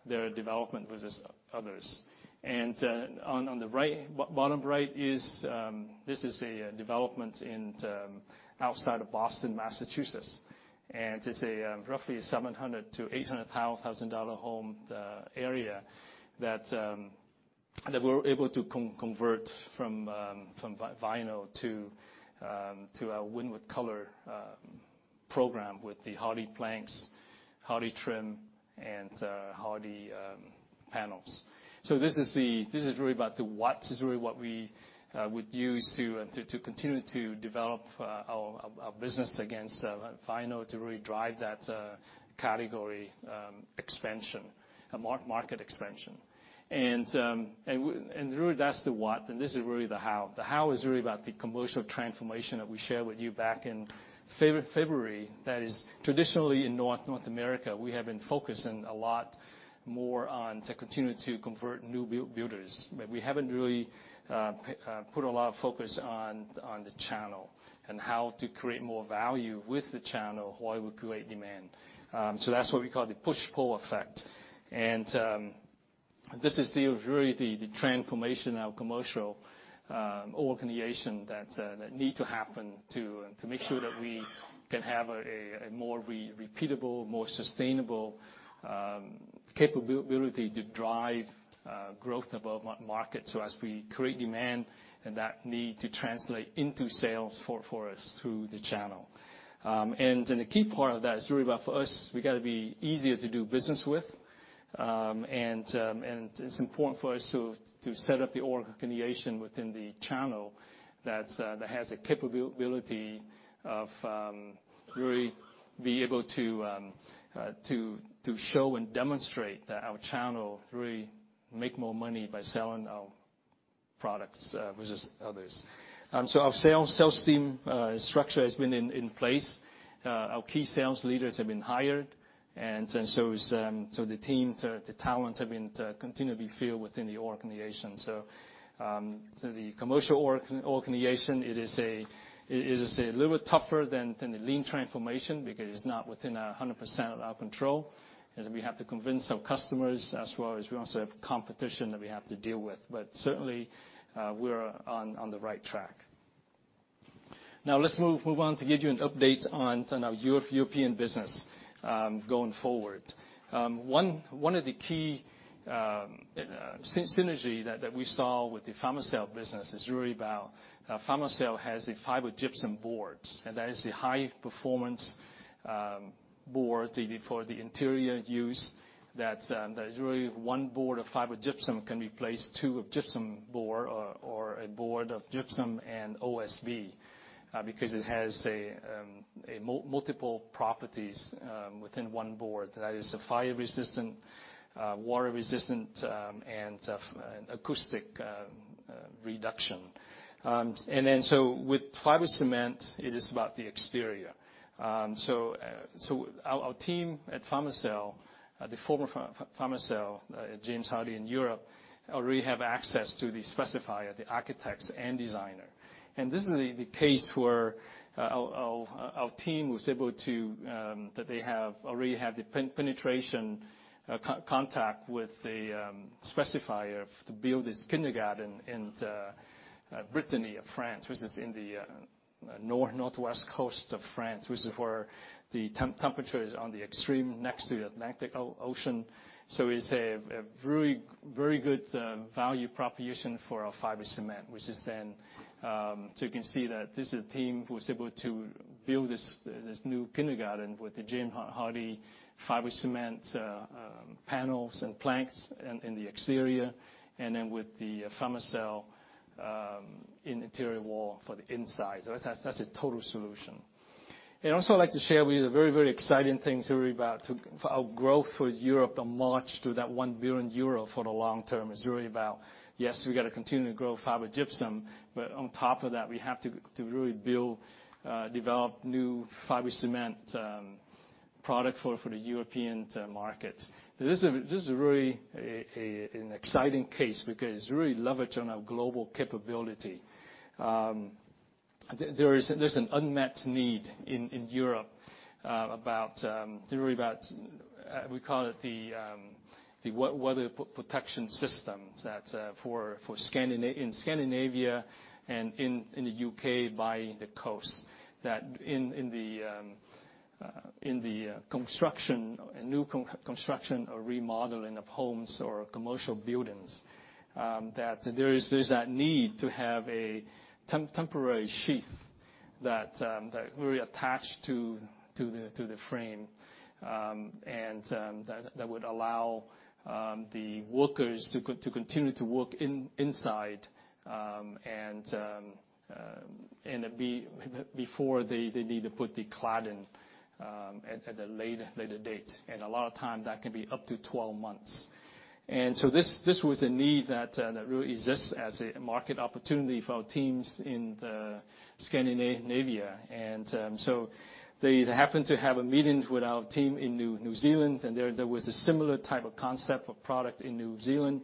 their development versus others. And on the right, bottom right is this a development in the outside of Boston, Massachusetts. And it's a roughly $700,000-$800,000 home area that and then we're able to convert from vinyl to our Win with Color program with the HardiePlanks, HardieTrim, and Hardie panels. So this is really about the what, is really what we would use to continue to develop our business against vinyl, to really drive that category expansion, a market expansion. And really, that's the what, and this is really the how. The how is really about the commercial transformation that we shared with you back in February. That is, traditionally, in North America, we have been focusing a lot more on to continue to convert new builders, but we haven't really put a lot of focus on the channel and how to create more value with the channel while we create demand. So that's what we call the push-pull effect. This is really the transformation, our commercial organization that need to happen to make sure that we can have a more repeatable, more sustainable capability to drive growth above market. So as we create demand, and that need to translate into sales for us through the channel. And then the key part of that is really about, for us, we gotta be easier to do business with. And it's important for us to set up the organization within the channel that has the capability of really be able to to show and demonstrate that our channel really make more money by selling our products versus others. So our sales team structure has been in place. Our key sales leaders have been hired, and so is the team, the talents have been continually filled within the organization. So the commercial organization, it is a little bit tougher than the lean transformation because it's not within 100% of our control, and we have to convince our customers, as well as we also have competition that we have to deal with. But certainly, we're on the right track. Now, let's move on to give you an update on our European business going forward. One of the key synergy that we saw with the Fermacell business is really about. Fermacell has the fiber gypsum boards, and that is the high-performance board to be for the interior use that is really one board of fiber gypsum can replace two of gypsum board or a board of gypsum and OSB. Because it has a multiple properties within one board, that is a fire-resistant, water-resistant, and acoustic reduction. And then, so with fiber cement, it is about the exterior. So our team at Fermacell, the former Fermacell, James Hardie in Europe, already have access to the specifier, the architects, and designer. And this is the case where our team was able to that they have already had the penetration contact with the specifier to build this kindergarten in Brittany, France, which is in the northwest coast of France, which is where the temperature is on the extreme, next to the Atlantic Ocean. So it's a very, very good value proposition for our fiber cement, which is then. So you can see that this is a team who was able to build this new kindergarten with the James Hardie fiber cement panels and planks in the exterior, and then with the Fermacell interior wall for the inside. So that's a total solution. And I'd also like to share with you the very, very exciting things really about for our growth with Europe to march to that 1 billion euro for the long term. It's really about, yes, we gotta continue to grow fiber gypsum, but on top of that, we have to really build, develop new fiber cement product for the European market. This is really an exciting case because it's really leverage on our global capability. There is an unmet need in Europe about really about we call it the weather protection systems that for in Scandinavia and in the U.K. by the coast. That in the construction, new construction or remodeling of homes or commercial buildings, that there is, there's that need to have a temporary sheath that that we attach to the frame, and it be before they need to put the cladding at a later date. And a lot of times, that can be up to twelve months. And so this was a need that really exists as a market opportunity for our teams in Scandinavia. And so they happened to have a meeting with our team in New Zealand, and there was a similar type of concept of product in New Zealand.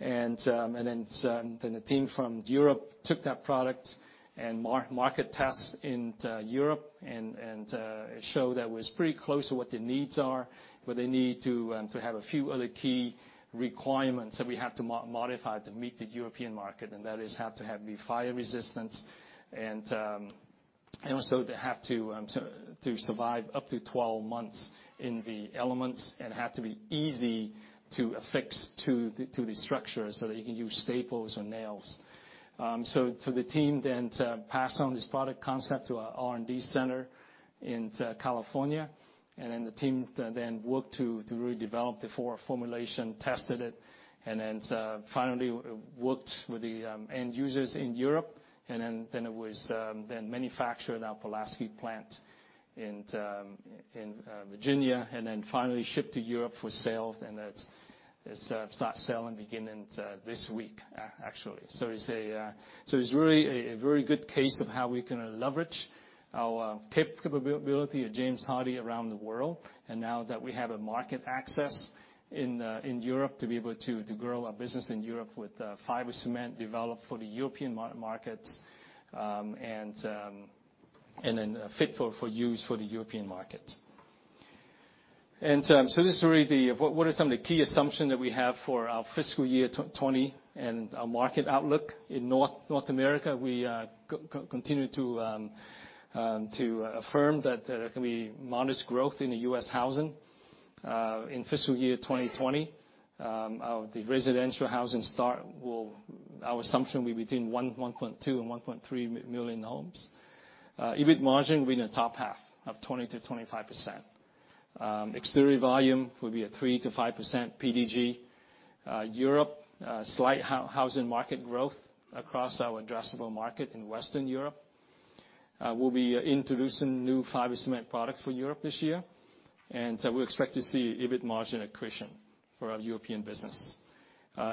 Then the team from Europe took that product and market tested it in Europe and showed that was pretty close to what the needs are, but they need to have a few other key requirements that we have to modify to meet the European market, and that is to have the fire resistance and also they have to survive up to twelve months in the elements, and have to be easy to affix to the structure, so that you can use staples or nails. So the team then passed on this product concept to our R&D center in California, and then the team worked to really develop the formulation, tested it, and then finally worked with the end users in Europe. And then it was manufactured in our Pulaski plant in Virginia, and then finally shipped to Europe for sale. And that's it, it's start selling beginning this week, actually. So it's really a very good case of how we can leverage our capability at James Hardie around the world. And now that we have market access in Europe, to be able to grow our business in Europe with fiber cement developed for the European markets. And then fit for use for the European markets. And so this is really what are some of the key assumption that we have for our fiscal year twenty, and our market outlook. In North America, we continue to affirm that there can be modest growth in the US housing. In fiscal year 2020, the residential housing starts will. Our assumption will be between 1.2 and 1.3 million homes. EBIT margin will be in the top half of 20-25%. Exterior volume will be at 3-5% PDG. Europe, slight housing market growth across our addressable market in Western Europe. We'll be introducing new fiber cement product for Europe this year, and so we expect to see EBIT margin accretion for our European business.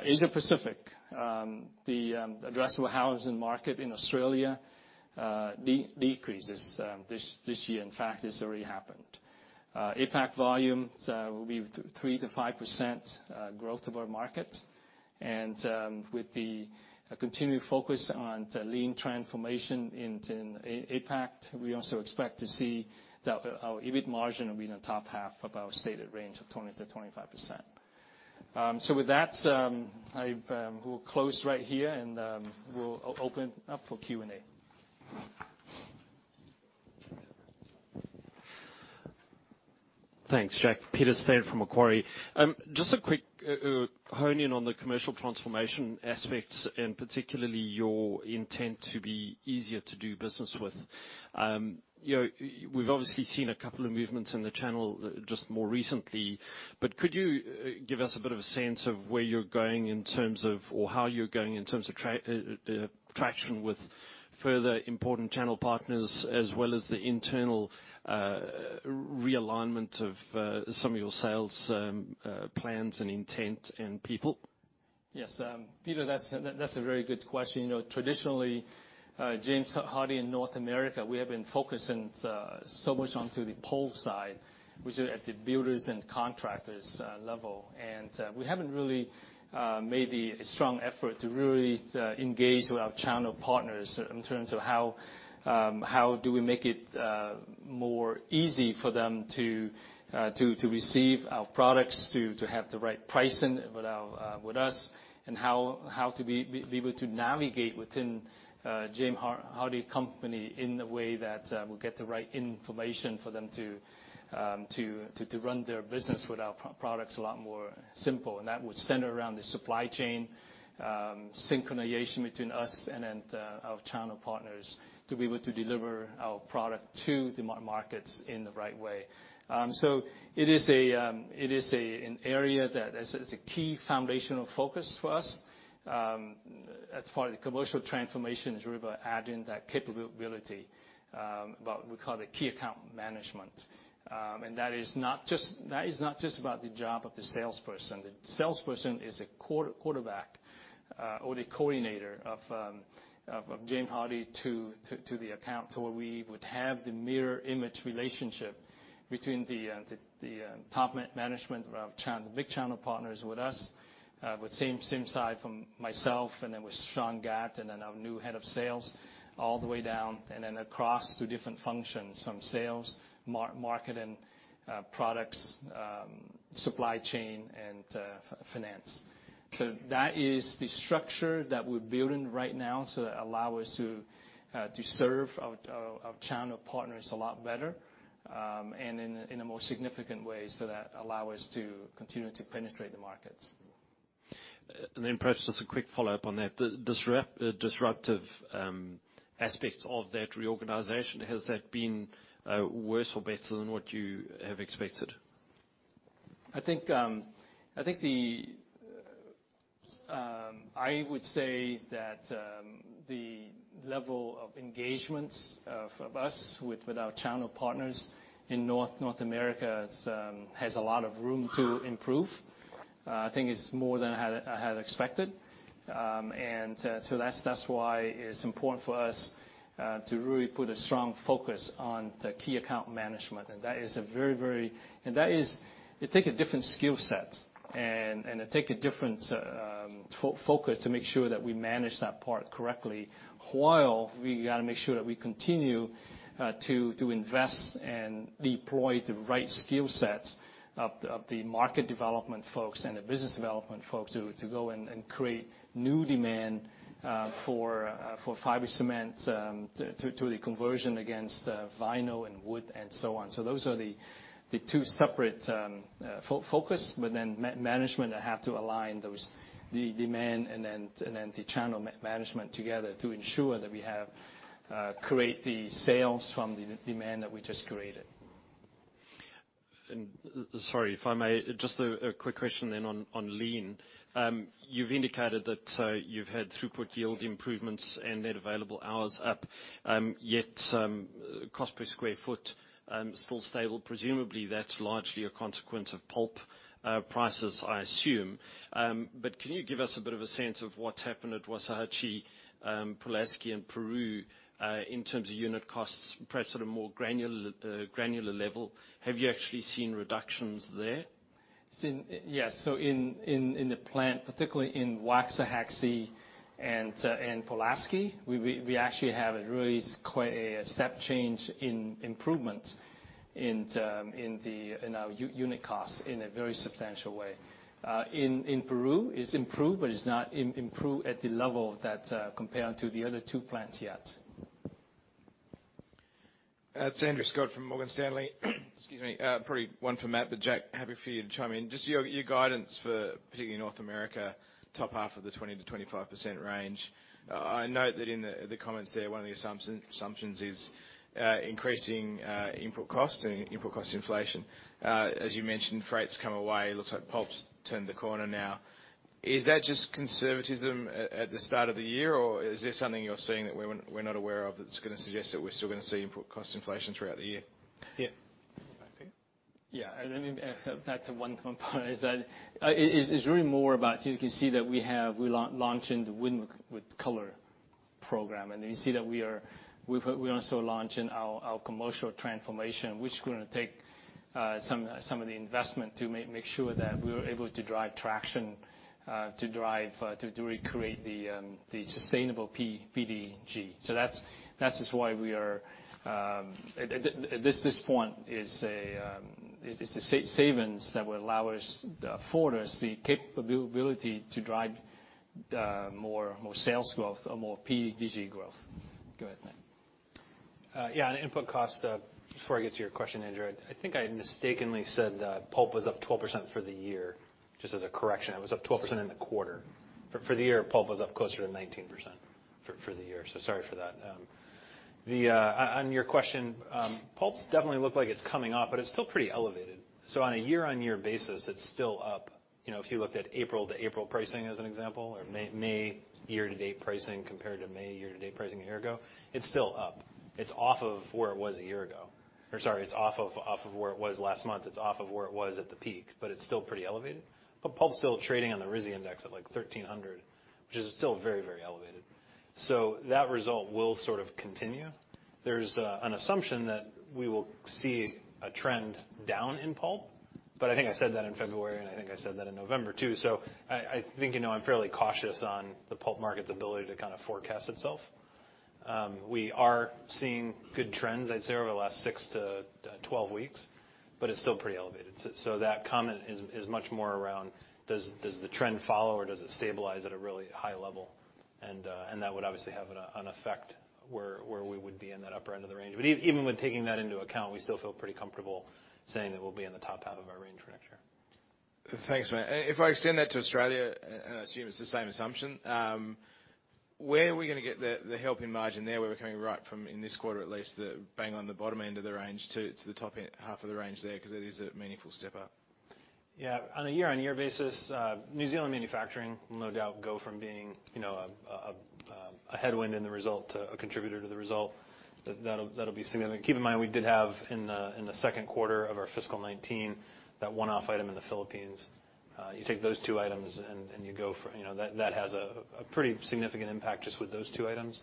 Asia Pacific, the addressable housing market in Australia decreases this year. In fact, it's already happened. APAC volumes will be 3-5% growth of our market. And, with the continued focus on the lean transformation in APAC, we also expect to see that our EBIT margin will be in the top half of our stated range of 20-25%. So with that, we'll close right here, and we'll open up for Q&A. Thanks, Jack. Peter Steyn from Macquarie. Just a quick hone in on the commercial transformation aspects, and particularly your intent to be easier to do business with. You know, we've obviously seen a couple of movements in the channel just more recently, but could you give us a bit of a sense of where you're going in terms of or how you're going in terms of traction with further important channel partners, as well as the internal realignment of some of your sales plans and intent and people? Yes. Peter, that's a very good question. You know, traditionally, James Hardie in North America, we have been focusing so much onto the pull side, which is at the builders and contractors level. And we haven't really made the strong effort to really engage with our channel partners in terms of how do we make it more easy for them to receive our products, to have the right pricing with our- with us, and how to be able to navigate within James Hardie company in a way that will get the right information for them to run their business with our products a lot more simple. And that would center around the supply chain, synchronization between us and then, our channel partners, to be able to deliver our product to the markets in the right way. So it is an area that is a key foundational focus for us. As part of the Commercial Transformation, is really about adding that capability, what we call the key account management. And that is not just about the job of the salesperson. The salesperson is a quarterback, or the coordinator of James Hardie to the account. To where we would have the mirror image relationship between the top management of our big channel partners with us. With same side from myself and then with Sean Gadd, and then our new head of sales, all the way down and then across the different functions, from sales, marketing, products, supply chain, and finance. So that is the structure that we're building right now to allow us to to serve our channel partners a lot better, and in a more significant way, so that allow us to continue to penetrate the markets. And then perhaps just a quick follow-up on that. The disruptive aspects of that reorganization, has that been worse or better than what you have expected? I think I think the I would say that the level of engagements of us with our channel partners in North America is has a lot of room to improve. I think it's more than I had expected. And so that's why it's important for us to really put a strong focus on the key account management. And that is a very and that is It take a different skill set, and it take a different focus to make sure that we manage that part correctly, while we gotta make sure that we continue to invest and deploy the right skill sets of the market development folks and the business development folks, to go and create new demand-... for fiber cement, to the conversion against vinyl and wood and so on. So those are the two separate focus, but then management have to align those, the demand and then, and then the channel management together to ensure that we have create the sales from the demand that we just created. And sorry, if I may, just a quick question then on lean. You've indicated that you've had throughput yield improvements and net available hours up, yet some cost per sq ft still stable. Presumably, that's largely a consequence of pulp prices, I assume. But can you give us a bit of a sense of what's happened at Waxahachie, Pulaski, and Peru in terms of unit costs, perhaps at a more granular level? Have you actually seen reductions there? See, yes. So in the plant, particularly in Waxahachie and Pulaski, we actually have a really quite a step change in improvement in our unit costs in a very substantial way. In Peru, it's improved, but it's not improved at the level that compared to the other two plants yet. It's Andrew Scott from Morgan Stanley. Excuse me. Probably one for Matt, but Jack, happy for you to chime in. Just your guidance for particularly North America, top half of the 20%-25% range. I note that in the comments there, one of the assumptions is increasing input costs and input cost inflation. As you mentioned, freight's come away. It looks like pulp's turned the corner now. Is that just conservatism at the start of the year, or is there something you're seeing that we're not aware of, that's gonna suggest that we're still gonna see input cost inflation throughout the year? Yeah. Yeah, let me add back to one component is that, it is, it's really more about, you can see that we have we launching the Win with Color program, and you see that we are we've, we're also launching our, our commercial transformation, which is gonna take, some, some of the investment to make, make sure that we're able to drive traction, to drive, to, to recreate the, the sustainable PDG. So that's, that's just why we are... That this, this point is a, is, is the savings that will allow us afford us the capability to drive, more, more sales growth or more PDG growth. Go ahead, Matt. Yeah, on input costs, before I get to your question, Andrew, I think I mistakenly said that pulp was up 12% for the year. Just as a correction, it was up 12% in the quarter, but for the year, pulp was up closer to 19% for the year, so sorry for that. On your question, pulp's definitely looked like it's coming off, but it's still pretty elevated, so on a year-on-year basis, it's still up. You know, if you looked at April-to-April pricing as an example, or May year-to-date pricing compared to May year-to-date pricing a year ago, it's still up. It's off of where it was a year ago, or sorry, it's off of where it was last month. It's off of where it was at the peak, but it's still pretty elevated. But pulp's still trading on the RISI index at, like, thirteen hundred, which is still very, very elevated. So that result will sort of continue. There's an assumption that we will see a trend down in pulp, but I think I said that in February, and I think I said that in November, too. So I think, you know, I'm fairly cautious on the pulp market's ability to kind of forecast itself. We are seeing good trends, I'd say, over the last six to 12 weeks, but it's still pretty elevated. So that comment is much more around, does the trend follow, or does it stabilize at a really high level? And that would obviously have an effect where we would be in that upper end of the range. But even, even when taking that into account, we still feel pretty comfortable saying that we'll be in the top half of our range for next year. Thanks, Matt. If I extend that to Australia, and I assume it's the same assumption, where are we gonna get the help in margin there, where we're coming right from, in this quarter at least, bang on the bottom end of the range to the top half of the range there, 'cause it is a meaningful step up? Yeah, on a year-on-year basis, New Zealand manufacturing will no doubt go from being, you know, a headwind in the result to a contributor to the result. That'll be significant. Keep in mind, we did have in the second quarter of our fiscal 2019, that one-off item in the Philippines. You take those two items, and you go for... You know, that has a pretty significant impact just with those two items.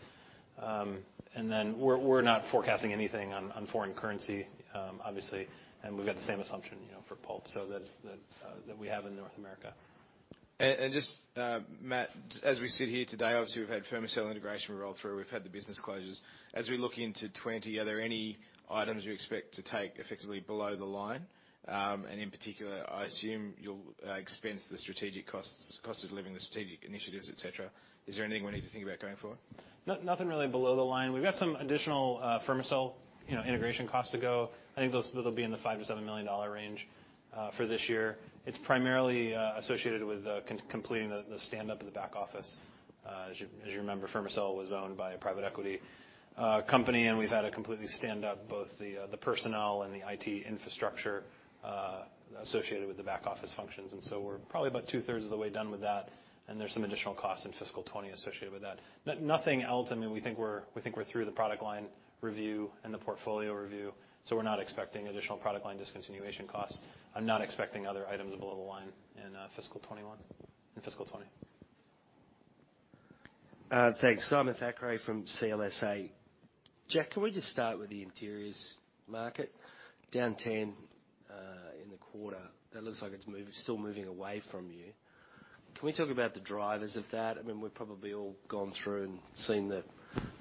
And then we're not forecasting anything on foreign currency, obviously, and we've got the same assumption, you know, for pulp, so that we have in North America. Matt, as we sit here today, obviously, we've had Fermacell integration roll through. We've had the business closures. As we look into 2020, are there any items you expect to take effectively below the line? And in particular, I assume you'll expense the strategic costs of delivering the strategic initiatives, et cetera. Is there anything we need to think about going forward? Nothing really below the line. We've got some additional Fermacell, you know, integration costs to go. I think those will be in the $5 million-$7 million range for this year. It's primarily associated with completing the stand-up in the back office. As you remember, Fermacell was owned by a private equity company, and we've had to completely stand up both the personnel and the IT infrastructure associated with the back office functions, and so we're probably about two-thirds of the way done with that, and there's some additional costs in fiscal 2020 associated with that. Nothing else. I mean, we think we're through the product line review and the portfolio review, so we're not expecting additional product line discontinuation costs. I'm not expecting other items below the line in fiscal 2021 and fiscal 2020. Thanks. Simon Thackray from CLSA. Jack, can we just start with the interiors market? Down 10% in the quarter. That looks like it's still moving away from you. Can we talk about the drivers of that? I mean, we've probably all gone through and seen the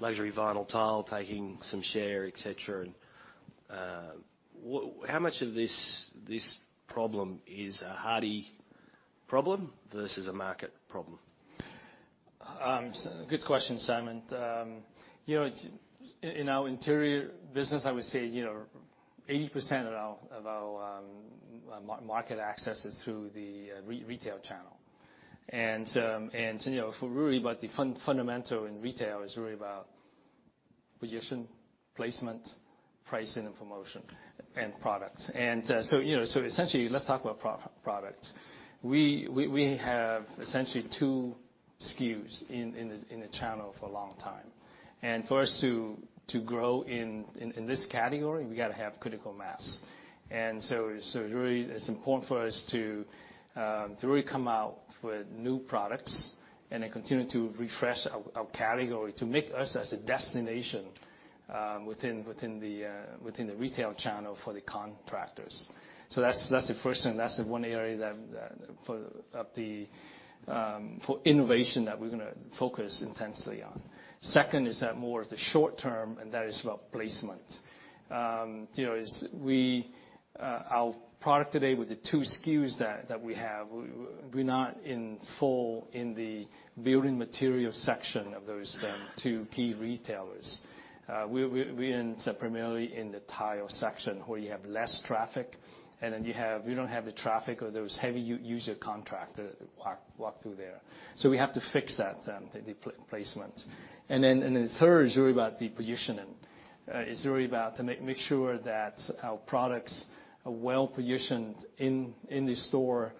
luxury vinyl tile taking some share, et cetera, and how much of this problem is a Hardie problem versus a market problem? So good question, Simon. You know, it's in our interior business. I would say you know 80% of our market access is through the retail channel. And you know, if we're really about the fundamental in retail is really about position, placement, pricing, and promotion and products. So you know so essentially, let's talk about products. We have essentially two SKUs in the channel for a long time. And for us to grow in this category, we gotta have critical mass. And so really, it's important for us to really come out with new products and then continue to refresh our category, to make us as a destination within the retail channel for the contractors. So that's the first thing. That's the one area for innovation that we're gonna focus intensely on. Second is more of the short term, and that is about placement. You know, our product today with the two SKUs that we have, we're not fully in the building material section of those two key retailers. We end up primarily in the tile section, where you have less traffic, and then you don't have the traffic or those heavy user contractor walk through there. So we have to fix that then, the placement. And then third is really about the positioning. It's really about to make sure that our products are well positioned in the store,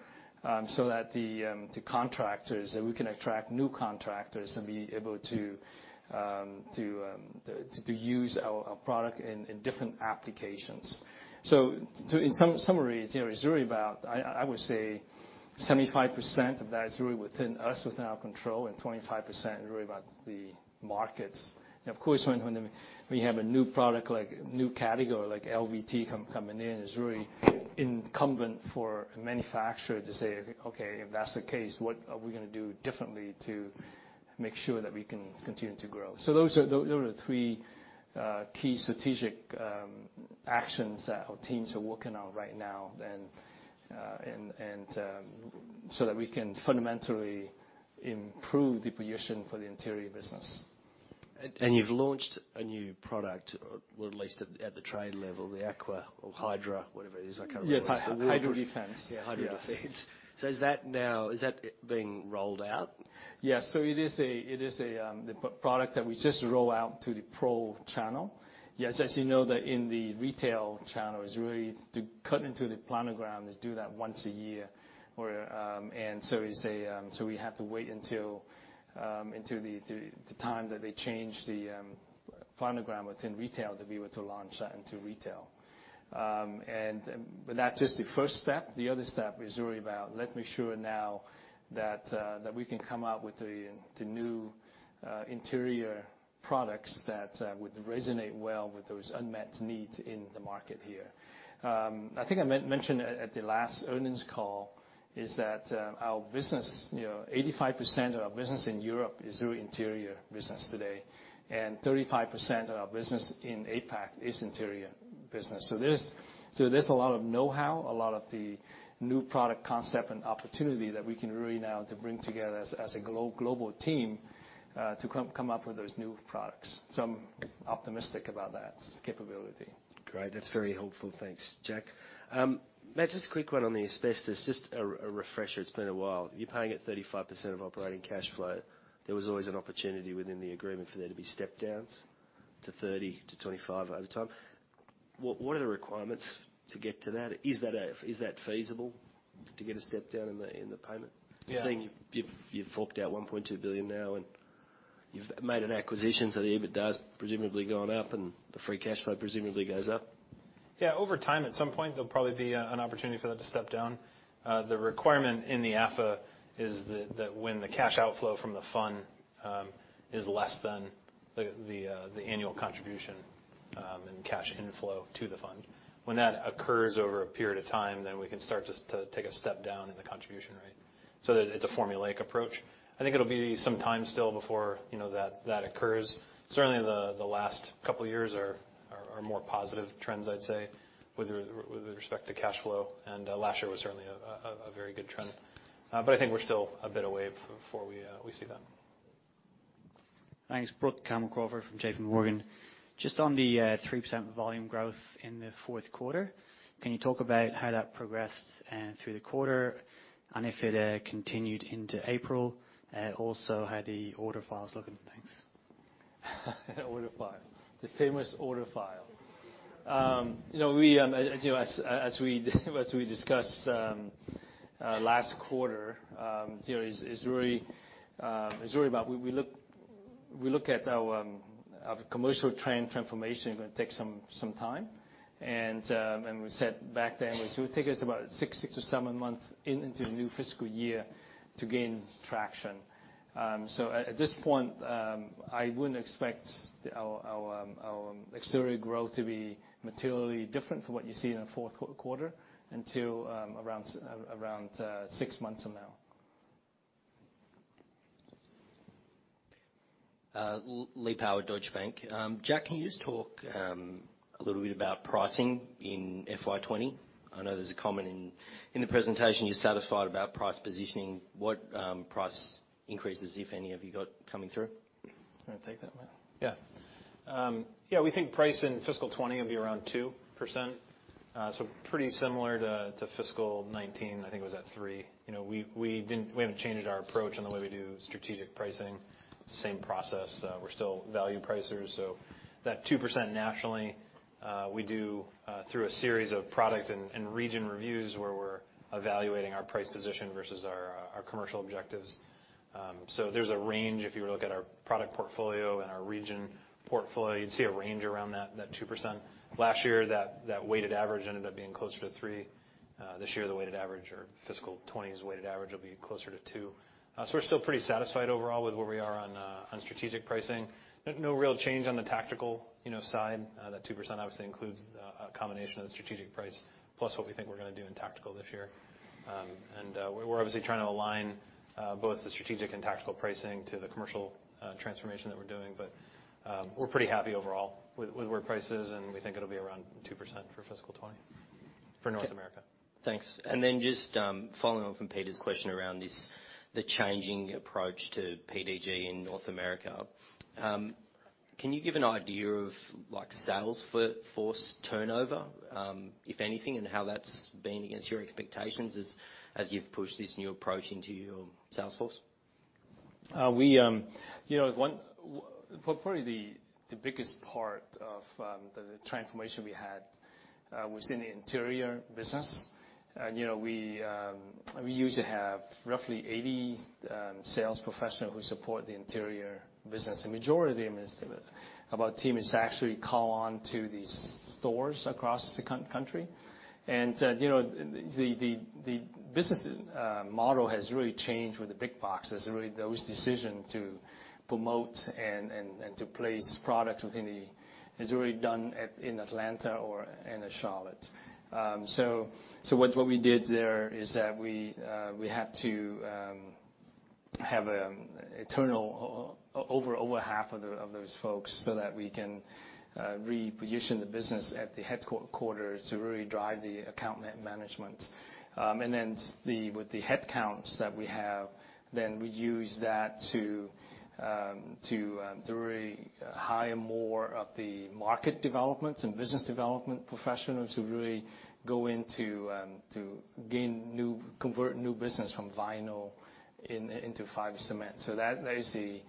so that the contractors, that we can attract new contractors and be able to use our product in different applications. So, in summary, it's, you know, it's really about. I would say 75% of that is really within us, within our control, and 25% is really about the markets. And of course, when you have a new product, like new category, like LVT coming in, it's really incumbent for a manufacturer to say, "Okay, if that's the case, what are we gonna do differently to make sure that we can continue to grow?" So those are the three key strategic actions that our teams are working on right now, and so that we can fundamentally improve the position for the interior business. You've launched a new product, or at least at the trade level, the Aqua or Hydra, whatever it is. I can't remember. Yes, HydroDefense. Yeah, HydroDefense. Yes. So is that now, is that being rolled out? Yes. So it is the product that we just roll out to the pro channel. Yes, as you know, that in the retail channel, it's really to cut into the planogram is do that once a year. Or, and so it's a. So we have to wait until the time that they change the planogram within retail to be able to launch that into retail. And, but that's just the first step. The other step is really about letting make sure now that we can come out with the new interior products that would resonate well with those unmet needs in the market here. I think I mentioned at the last earnings call is that, our business, you know, 85% of our business in Europe is through interior business today, and 35% of our business in APAC is interior business. So there's a lot of know-how, a lot of the new product concept and opportunity that we can really now to bring together as a global team, to come up with those new products. So I'm optimistic about that capability. Great. That's very helpful. Thanks, Jack. Matt, just a quick one on the asbestos, just a refresher. It's been a while. You're paying it 35% of operating cash flow. There was always an opportunity within the agreement for there to be step downs to 30%, to 25% over time. What are the requirements to get to that? Is that feasible to get a step down in the payment? Yeah. Just saying, you've forked out $1.2 billion now, and you've made an acquisition, so the EBITDA's presumably gone up, and the free cash flow presumably goes up. Yeah. Over time, at some point, there'll probably be an opportunity for that to step down. The requirement in the AFA is that when the cash outflow from the fund is less than the annual contribution and cash inflow to the fund. When that occurs over a period of time, then we can start to take a step down in the contribution rate. So that it's a formulaic approach. I think it'll be some time still before, you know, that occurs. Certainly, the last couple of years are more positive trends, I'd say, with respect to cash flow, and last year was certainly a very good trend. But I think we're still a bit away before we see that. Thanks. Brook Campbell-Crawford from JPMorgan. Just on the 3% volume growth in the fourth quarter, can you talk about how that progressed through the quarter, and if it continued into April? Also, how the order file is looking? Thanks. Order file. The famous order file. You know, as you know, as we discussed last quarter, you know, it's really about... We look at our commercial transformation, it's gonna take some time. And we said back then, it would take us about six to seven months into a new fiscal year to gain traction. So at this point, I wouldn't expect our exterior growth to be materially different from what you see in the fourth quarter until around six months from now.... Lee Power, Deutsche Bank. Jack, can you just talk a little bit about pricing in FY 2020? I know there's a comment in the presentation you're satisfied about price positioning. What price increases, if any, have you got coming through? You wanna take that, Matt? Yeah. Yeah, we think price in fiscal 2020 will be around 2%. So pretty similar to fiscal 2019, I think it was at 3%. You know, we didn't. We haven't changed our approach on the way we do strategic pricing. Same process, we're still value pricers. So that 2% naturally, we do through a series of product and region reviews, where we're evaluating our price position versus our commercial objectives. So there's a range, if you were to look at our product portfolio and our region portfolio, you'd see a range around that 2%. Last year, that weighted average ended up being closer to 3%. This year, the weighted average or fiscal 2020's weighted average will be closer to 2%. So we're still pretty satisfied overall with where we are on strategic pricing. No, no real change on the tactical, you know, side. That 2% obviously includes a combination of the strategic price, plus what we think we're gonna do in tactical this year. And we're obviously trying to align both the strategic and tactical pricing to the commercial transformation that we're doing. But we're pretty happy overall with where price is, and we think it'll be around 2% for fiscal 2020 for North America. Thanks. And then just, following on from Peter's question around this, the changing approach to PDG in North America. Can you give an idea of, like, sales force turnover, if anything, and how that's been against your expectations as you've pushed this new approach into your sales force? You know, probably the biggest part of the transformation we had was in the interior business. And, you know, we usually have roughly 80 sales professionals who support the interior business. The majority of them, of our team, is to actually call on to these stores across the country. And, you know, the business model has really changed with the big boxes. Really, those decisions to promote and to place products within them is already done in Atlanta or in Charlotte. So, what we did there is that we had to have over half of those folks so that we can reposition the business at the headquarters to really drive the account management. And then, with the headcounts that we have, then we use that to really hire more of the market development and business development professionals who really go into to convert new business from vinyl into fiber cement. So that, that is the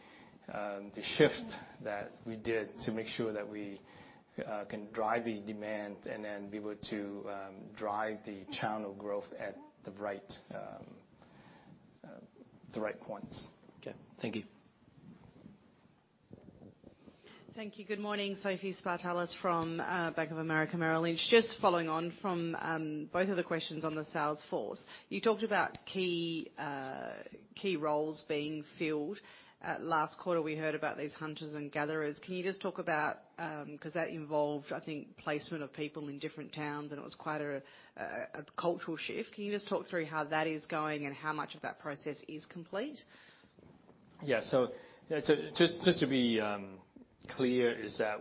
shift that we did to make sure that we can drive the demand, and then be able to drive the channel growth at the right points. Okay. Thank you. Thank you. Good morning, Sophie Spartalis from Bank of America Merrill Lynch. Just following on from both of the questions on the sales force. You talked about key roles being filled. At last quarter, we heard about these hunters and gatherers. Can you just talk about 'cause that involved, I think, placement of people in different towns, and it was quite a cultural shift. Can you just talk through how that is going and how much of that process is complete? Yeah. So, yeah, so just to be clear, is that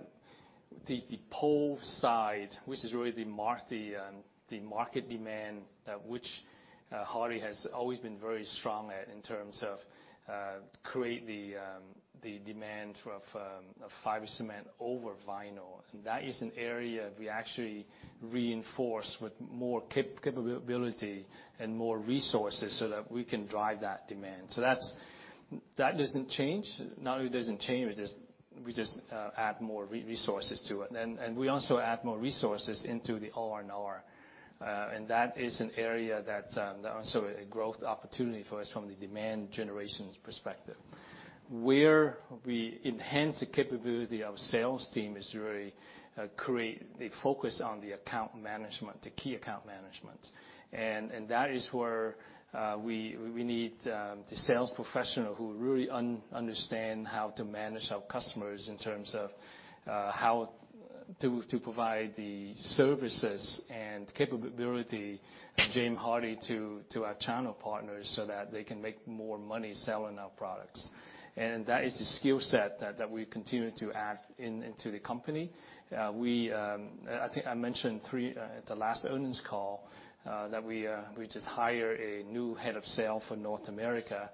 the pull side, which is really the market demand that Hardie has always been very strong at in terms of create the demand for fiber cement over vinyl. And that is an area we actually reinforce with more capability and more resources so that we can drive that demand. So that's, that doesn't change. Not only it doesn't change, we just add more resources to it. And we also add more resources into the R&D. And that is an area that is a growth opportunity for us from the demand generation perspective. Where we enhance the capability of sales team is really create a focus on the account management, the key account management. That is where we need the sales professional who really understand how to manage our customers in terms of how to provide the services and capability of James Hardie to our channel partners, so that they can make more money selling our products. That is the skill set that we continue to add into the company. I think I mentioned three at the last earnings call that we just hire a new head of sales for North America,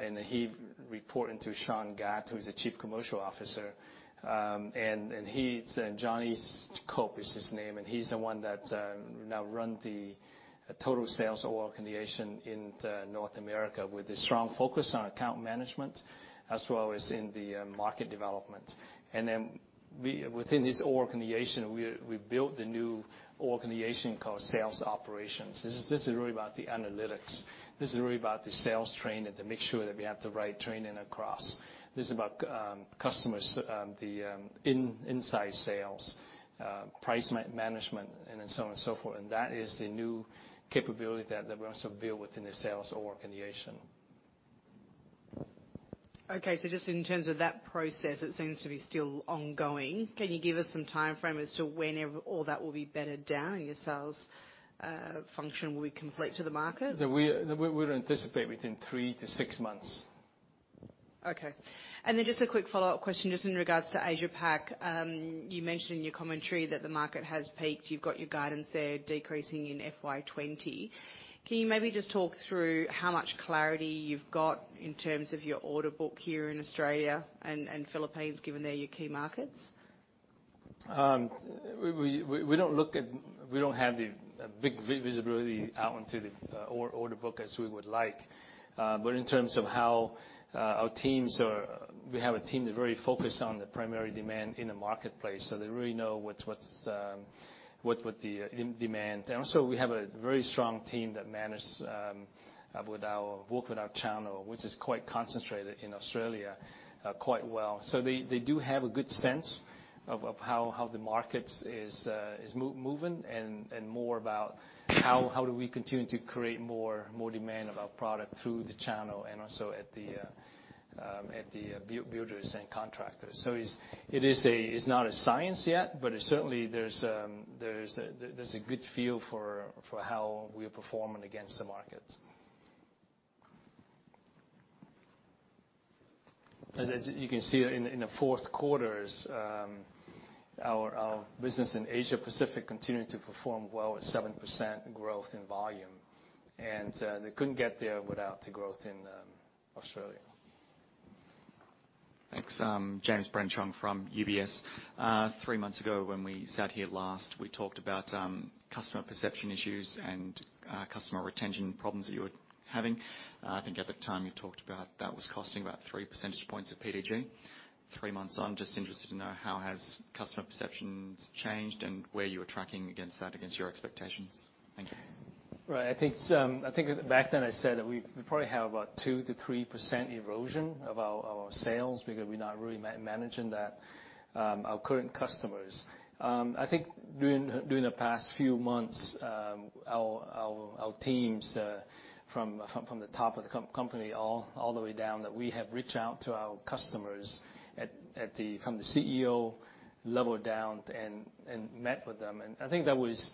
and he report into Sean Gadd, who is the Chief Commercial Officer. And he's Johnny Cope is his name, and he's the one that now run the total sales organization in North America, with a strong focus on account management as well as in the market development. And then we, within this organization, built the new organization called sales operations. This is really about the analytics. This is really about the sales training, to make sure that we have the right training across. This is about customers, the inside sales, price management, and so on and so forth. And that is the new capability that we also build within the sales organization. Okay. So just in terms of that process, it seems to be still ongoing. Can you give us some timeframe as to when all that will be bedded down, and your sales function will be complete to the market? So we'd anticipate within three to six months. ... Okay. And then just a quick follow-up question, just in regards to Asia Pac. You mentioned in your commentary that the market has peaked. You've got your guidance there decreasing in FY 2020. Can you maybe just talk through how much clarity you've got in terms of your order book here in Australia and Philippines, given they're your key markets? We don't have the big visibility out into the order book as we would like, but in terms of how our teams are. We have a team that's very focused on the primary demand in the marketplace, so they really know what's in demand. And also, we have a very strong team that works with our channel, which is quite concentrated in Australia, quite well. So they do have a good sense of how the market is moving, and more about how do we continue to create more demand of our product through the channel and also at the builders and contractors. So it's a... It's not a science yet, but it certainly, there's a good feel for how we are performing against the market. As you can see in the fourth quarters, our business in Asia Pacific continued to perform well at 7% growth in volume, and they couldn't get there without the growth in Australia. Thanks. James Brennan-Chong from UBS. Three months ago, when we sat here last, we talked about customer perception issues and customer retention problems that you were having. I think at the time, you talked about that was costing about three percentage points of PDG. Three months on, just interested to know, how has customer perceptions changed and where you are tracking against that, against your expectations? Thank you. Right. I think back then I said that we probably have about 2%-3% erosion of our sales because we're not really managing that, our current customers. I think during the past few months, our teams from the top of the company all the way down that we have reached out to our customers from the CEO level down and met with them. And I think that was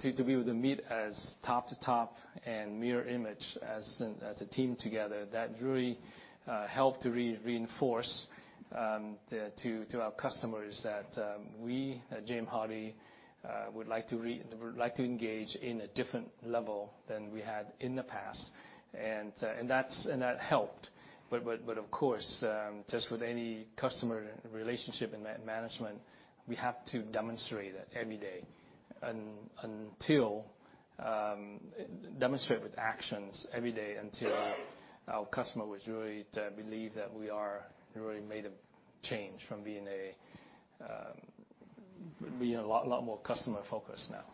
to be able to meet as top to top and mirror image as a team together. That really helped to reinforce to our customers that we at James Hardie would like to engage in a different level than we had in the past. That helped, but of course, just with any customer relationship and management, we have to demonstrate it every day. Demonstrate with actions every day, until our customer would really believe that we are, we really made a change from being a lot more customer focused now,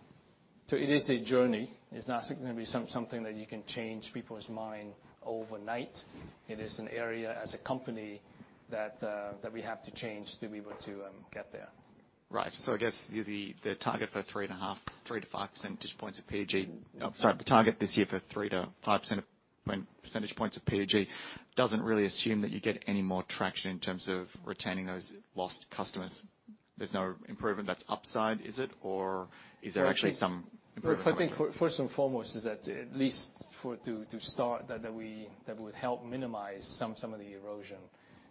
so it is a journey. It's not going to be something that you can change people's mind overnight. It is an area, as a company, that we have to change to be able to get there. Right. So I guess the target for three to five percentage points of PDG doesn't really assume that you get any more traction in terms of retaining those lost customers. There's no improvement that's upside, is it? Or is there actually some improvement? I think first and foremost is that at least to start that would help minimize some of the erosion.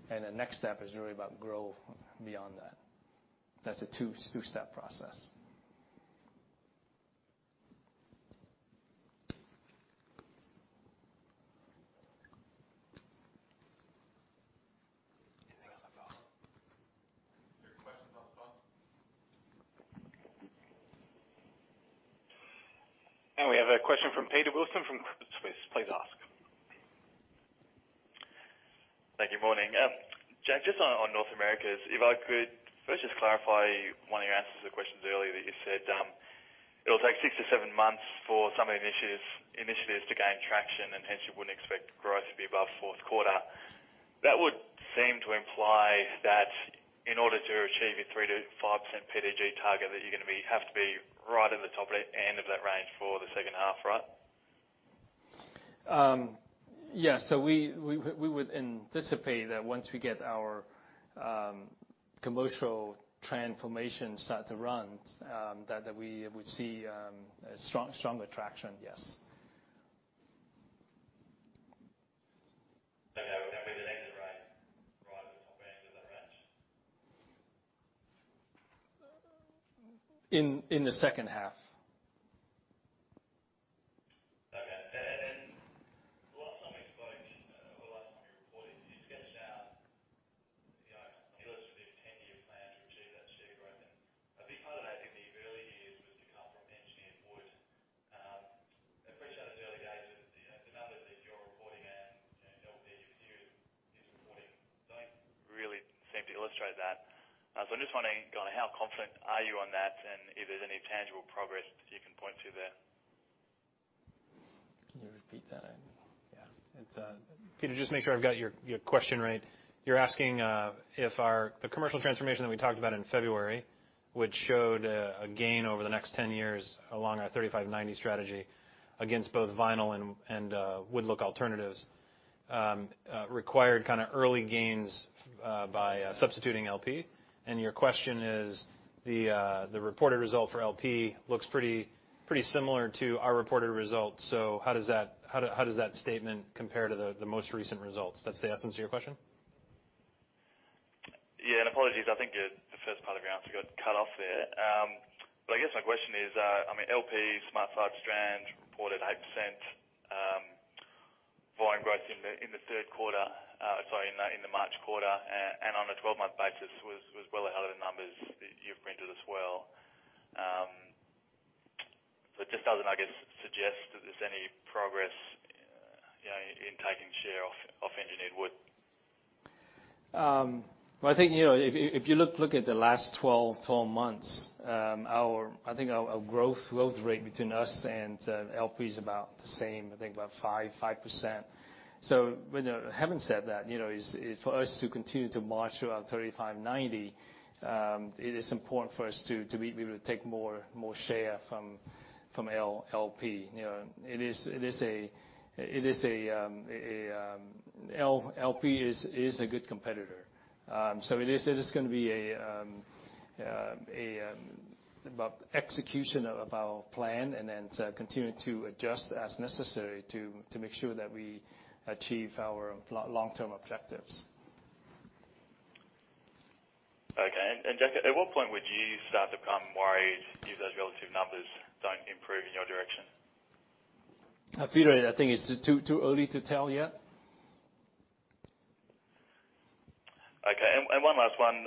And the next step is really about growth beyond that. That's a two-step process. Anything on the phone? There are questions on the phone. Now we have a question from Peter Wilson from Credit Suisse. Please ask. Thank you. Morning, James. Just on North America, if I could first just clarify one of your answers to questions earlier, that you said it'll take six to seven months for some of the initiatives to gain traction, and hence you wouldn't expect growth to be above fourth quarter. That would seem to imply that in order to achieve your 3%-5% PDG target, that you're gonna have to be right at the top end of that range for the second half, right? Yes. So we would anticipate that once we get our Commercial Transformation start to run, that we would see a stronger traction, yes. So that would be the next range, right at the top end of the range? In the second half. Okay. And the last time we spoke, or the last time you reported, you sketched out, you know, illustrative ten-year plan to achieve that share growth. And a big part of that in the early years was to come from engineered wood. I appreciate in the early days that, you know, the numbers that you're reporting and that you've skewed this reporting don't really seem to illustrate that. So I'm just wondering, kind of how confident are you on that, and if there's any tangible progress you can point to there? Can you repeat that? Yeah. It's Peter, just make sure I've got your question right. You're asking if our... The commercial transformation that we talked about in February, which showed a gain over the next ten years, along our thirty-five, ninety strategy, against both vinyl and wood-look alternatives, required kind of early gains by substituting LP, and your question is: the reported result for LP looks pretty similar to our reported results, so how does that statement compare to the most recent results? That's the essence of your question? Yeah, and apologies, I think the first part of your answer got cut off there. But I guess my question is, I mean, LP SmartSide Strand reported 8% volume growth in the third quarter, sorry, in the March quarter, and on a twelve-month basis, was well ahead of the numbers that you've printed as well. So it just doesn't, I guess, suggest that there's any progress, you know, in taking share off engineered wood. I think, you know, if you look at the last twelve months, our growth rate between us and LP is about the same, I think about 5%. So, with that having said that, you know, it is for us to continue to march around thirty-five ninety. It is important for us to be able to take more share from LP. You know, it is a good competitor. LP is a good competitor. So, it is gonna be about execution of our plan and then to continue to adjust as necessary to make sure that we achieve our long-term objectives. Okay. And Jack, at what point would you start to become worried if those relative numbers don't improve in your direction? Peter, I think it's just too early to tell yet. Okay. And one last one.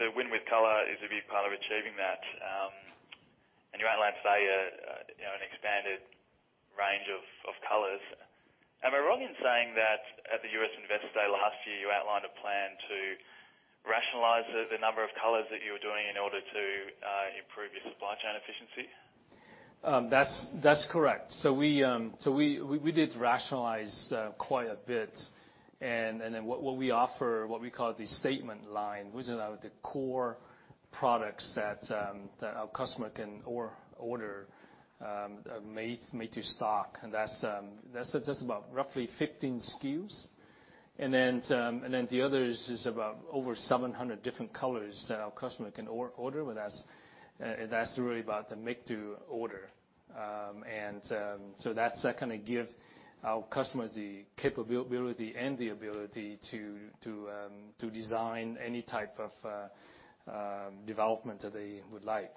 The Win with Color is a big part of achieving that, and you outlined, say, you know, an expanded range of colors. Am I wrong in saying that at the U.S. Investor Day last year, you outlined a plan to rationalize the number of colors that you were doing in order to improve your supply chain efficiency? That's correct. So we did rationalize quite a bit, and then what we offer, what we call the statement line, which are the core products that our customer can order, made to stock. And that's just about roughly fifteen SKUs. And then the other is about over seven hundred different colors that our customer can order, but that's really about the make to order. And so that's that kind of give our customers the capability and the ability to design any type of development that they would like.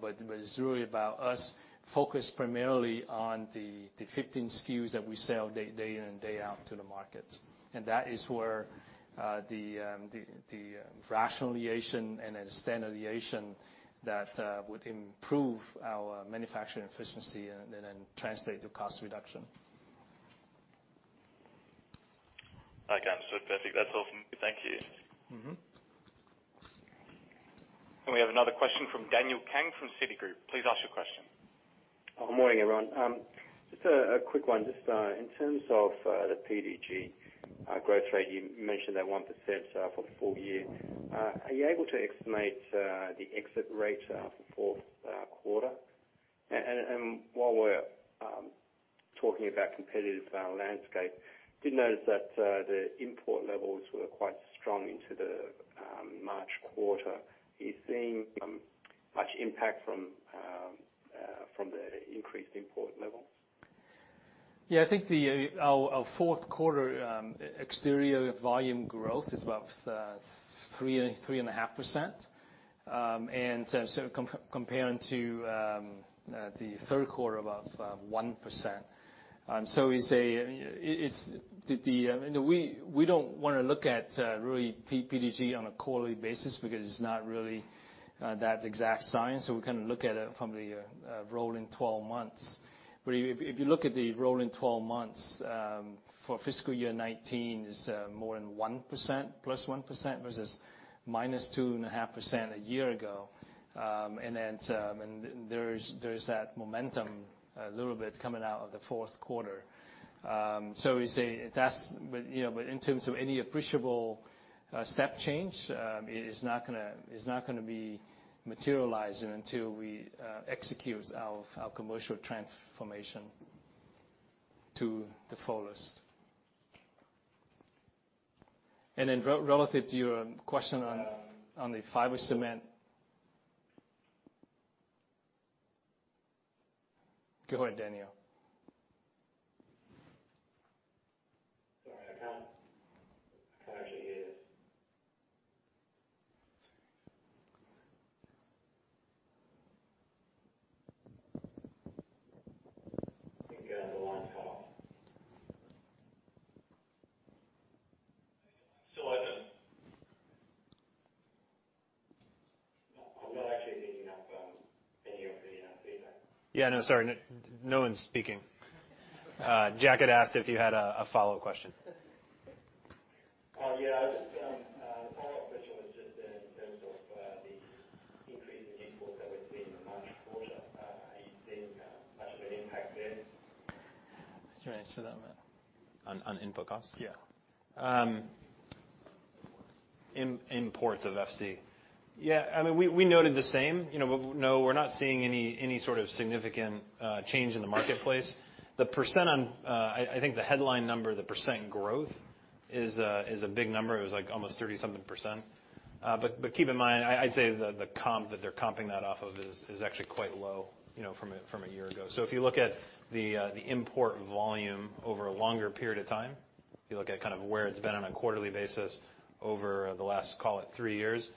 But it's really about us focused primarily on the fifteen SKUs that we sell day in and day out to the markets. And that is where the rationalization and standardization that would improve our manufacturing efficiency and then translate to cost reduction. Okay, understood. Perfect. That's all from me. Thank you. Mm-hmm. We have another question from Daniel Kang from Citigroup. Please ask your question. Good morning, everyone. Just a quick one. Just in terms of the PDG growth rate, you mentioned that 1% for the full year. Are you able to estimate the exit rate for fourth quarter? And while we're talking about competitive landscape, did notice that the import levels were quite strong into the March quarter. Are you seeing much impact from the increased import levels? Yeah, I think our fourth quarter exterior volume growth is about 3-3.5%. And so comparing to the third quarter, about 1%. So we say it's. We don't want to look at really PDG on a quarterly basis because it's not really that exact science, so we kind of look at it from the rolling twelve months. But if you look at the rolling twelve months for fiscal year 2019, it's more than 1%, +1%, versus -2.5% a year ago. And then there is that momentum a little bit coming out of the fourth quarter. So we say that's, but you know, but in terms of any appreciable step change, it is not gonna be materializing until we execute our commercial transformation to the fullest. And then relative to your question on the fiber cement. Go ahead, Daniel. Sorry, I can't, I can't actually hear you. I think you have the line off. Still open? No, I'm not actually picking up any of the feedback. Yeah, no, sorry, no one's speaking. Jack had asked if you had a follow-up question. Oh, yeah. The follow-up question was just in terms of the increase in imports that we've seen in the March quarter. Are you seeing much of an impact there? Do you want to answer that one? On input costs? Yeah. Imports of FC? Yeah, I mean, we noted the same, you know, but no, we're not seeing any sort of significant change in the marketplace. The percent on, I think the headline number, the percent growth is a big number. It was like almost 30-something%. But keep in mind, I'd say the comp that they're comping that off of is actually quite low, you know, from a year ago. So if you look at the import volume over a longer period of time, if you look at kind of where it's been on a quarterly basis over the last three years,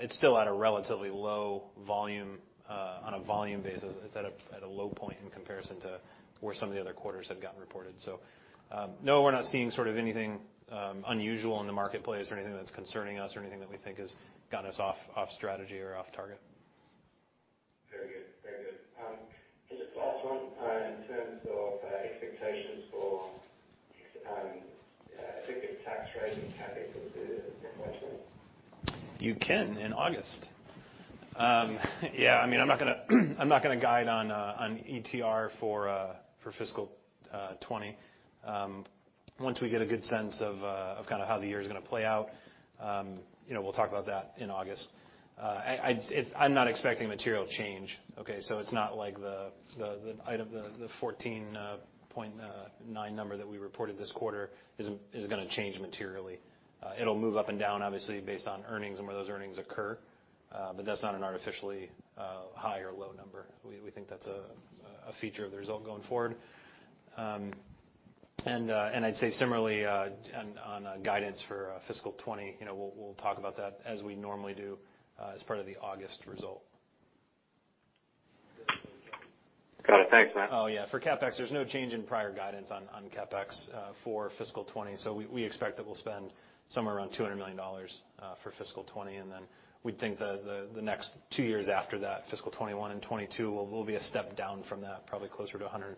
it's still at a relatively low volume on a volume basis. It's at a low point in comparison to where some of the other quarters have gotten reported. So, no, we're not seeing sort of anything unusual in the marketplace or anything that's concerning us or anything that we think has gotten us off strategy or off target. Very good. Very good. Just last one, in terms of expectations for, I think the tax rate and how they can do it eventually? You can in August. Yeah, I mean, I'm not gonna guide on ETR for fiscal 2020. Once we get a good sense of kind of how the year is gonna play out, you know, we'll talk about that in August. I'd-- I'm not expecting material change, okay? So it's not like the item, the 14.9 number that we reported this quarter is gonna change materially. It'll move up and down, obviously, based on earnings and where those earnings occur, but that's not an artificially high or low number. We think that's a feature of the result going forward. And I'd say similarly, on guidance for fiscal 2020, you know, we'll talk about that as we normally do, as part of the August result. Got it. Thanks, Matt. Oh, yeah, for CapEx, there's no change in prior guidance on CapEx for fiscal 2020, so we expect that we'll spend somewhere around $200 million for fiscal 2020. And then we'd think the next two years after that, fiscal 2021 and 2022, will be a step down from that, probably closer to $150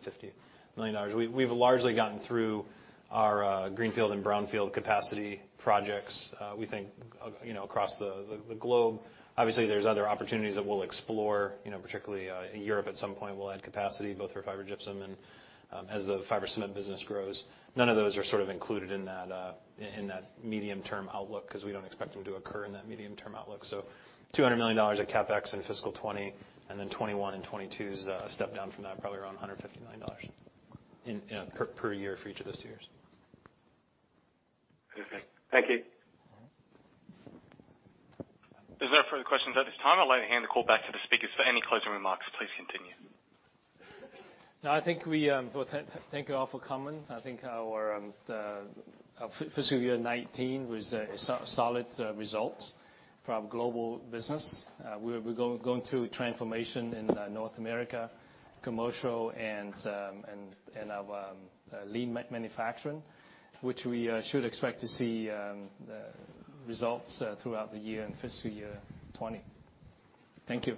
million. We've largely gotten through our greenfield and brownfield capacity projects. We think, you know, across the globe, obviously there's other opportunities that we'll explore, you know, particularly in Europe at some point, we'll add capacity both for fiber gypsum and as the fiber cement business grows. None of those are sort of included in that medium-term outlook, 'cause we don't expect them to occur in that medium-term outlook. $200 million of CapEx in fiscal 2020, and then 2021 and 2022 is a step down from that, probably around $150 million per year for each of those two years. Perfect. Thank you. All right. There's no further questions at this time. I'd like to hand the call back to the speakers for any closing remarks. Please continue. Thank you all for coming. I think our fiscal year 2019 was a solid result from global business. We're going through a transformation in North America, commercial, and our lean manufacturing, which we should expect to see the results throughout the year in fiscal year 2020. Thank you.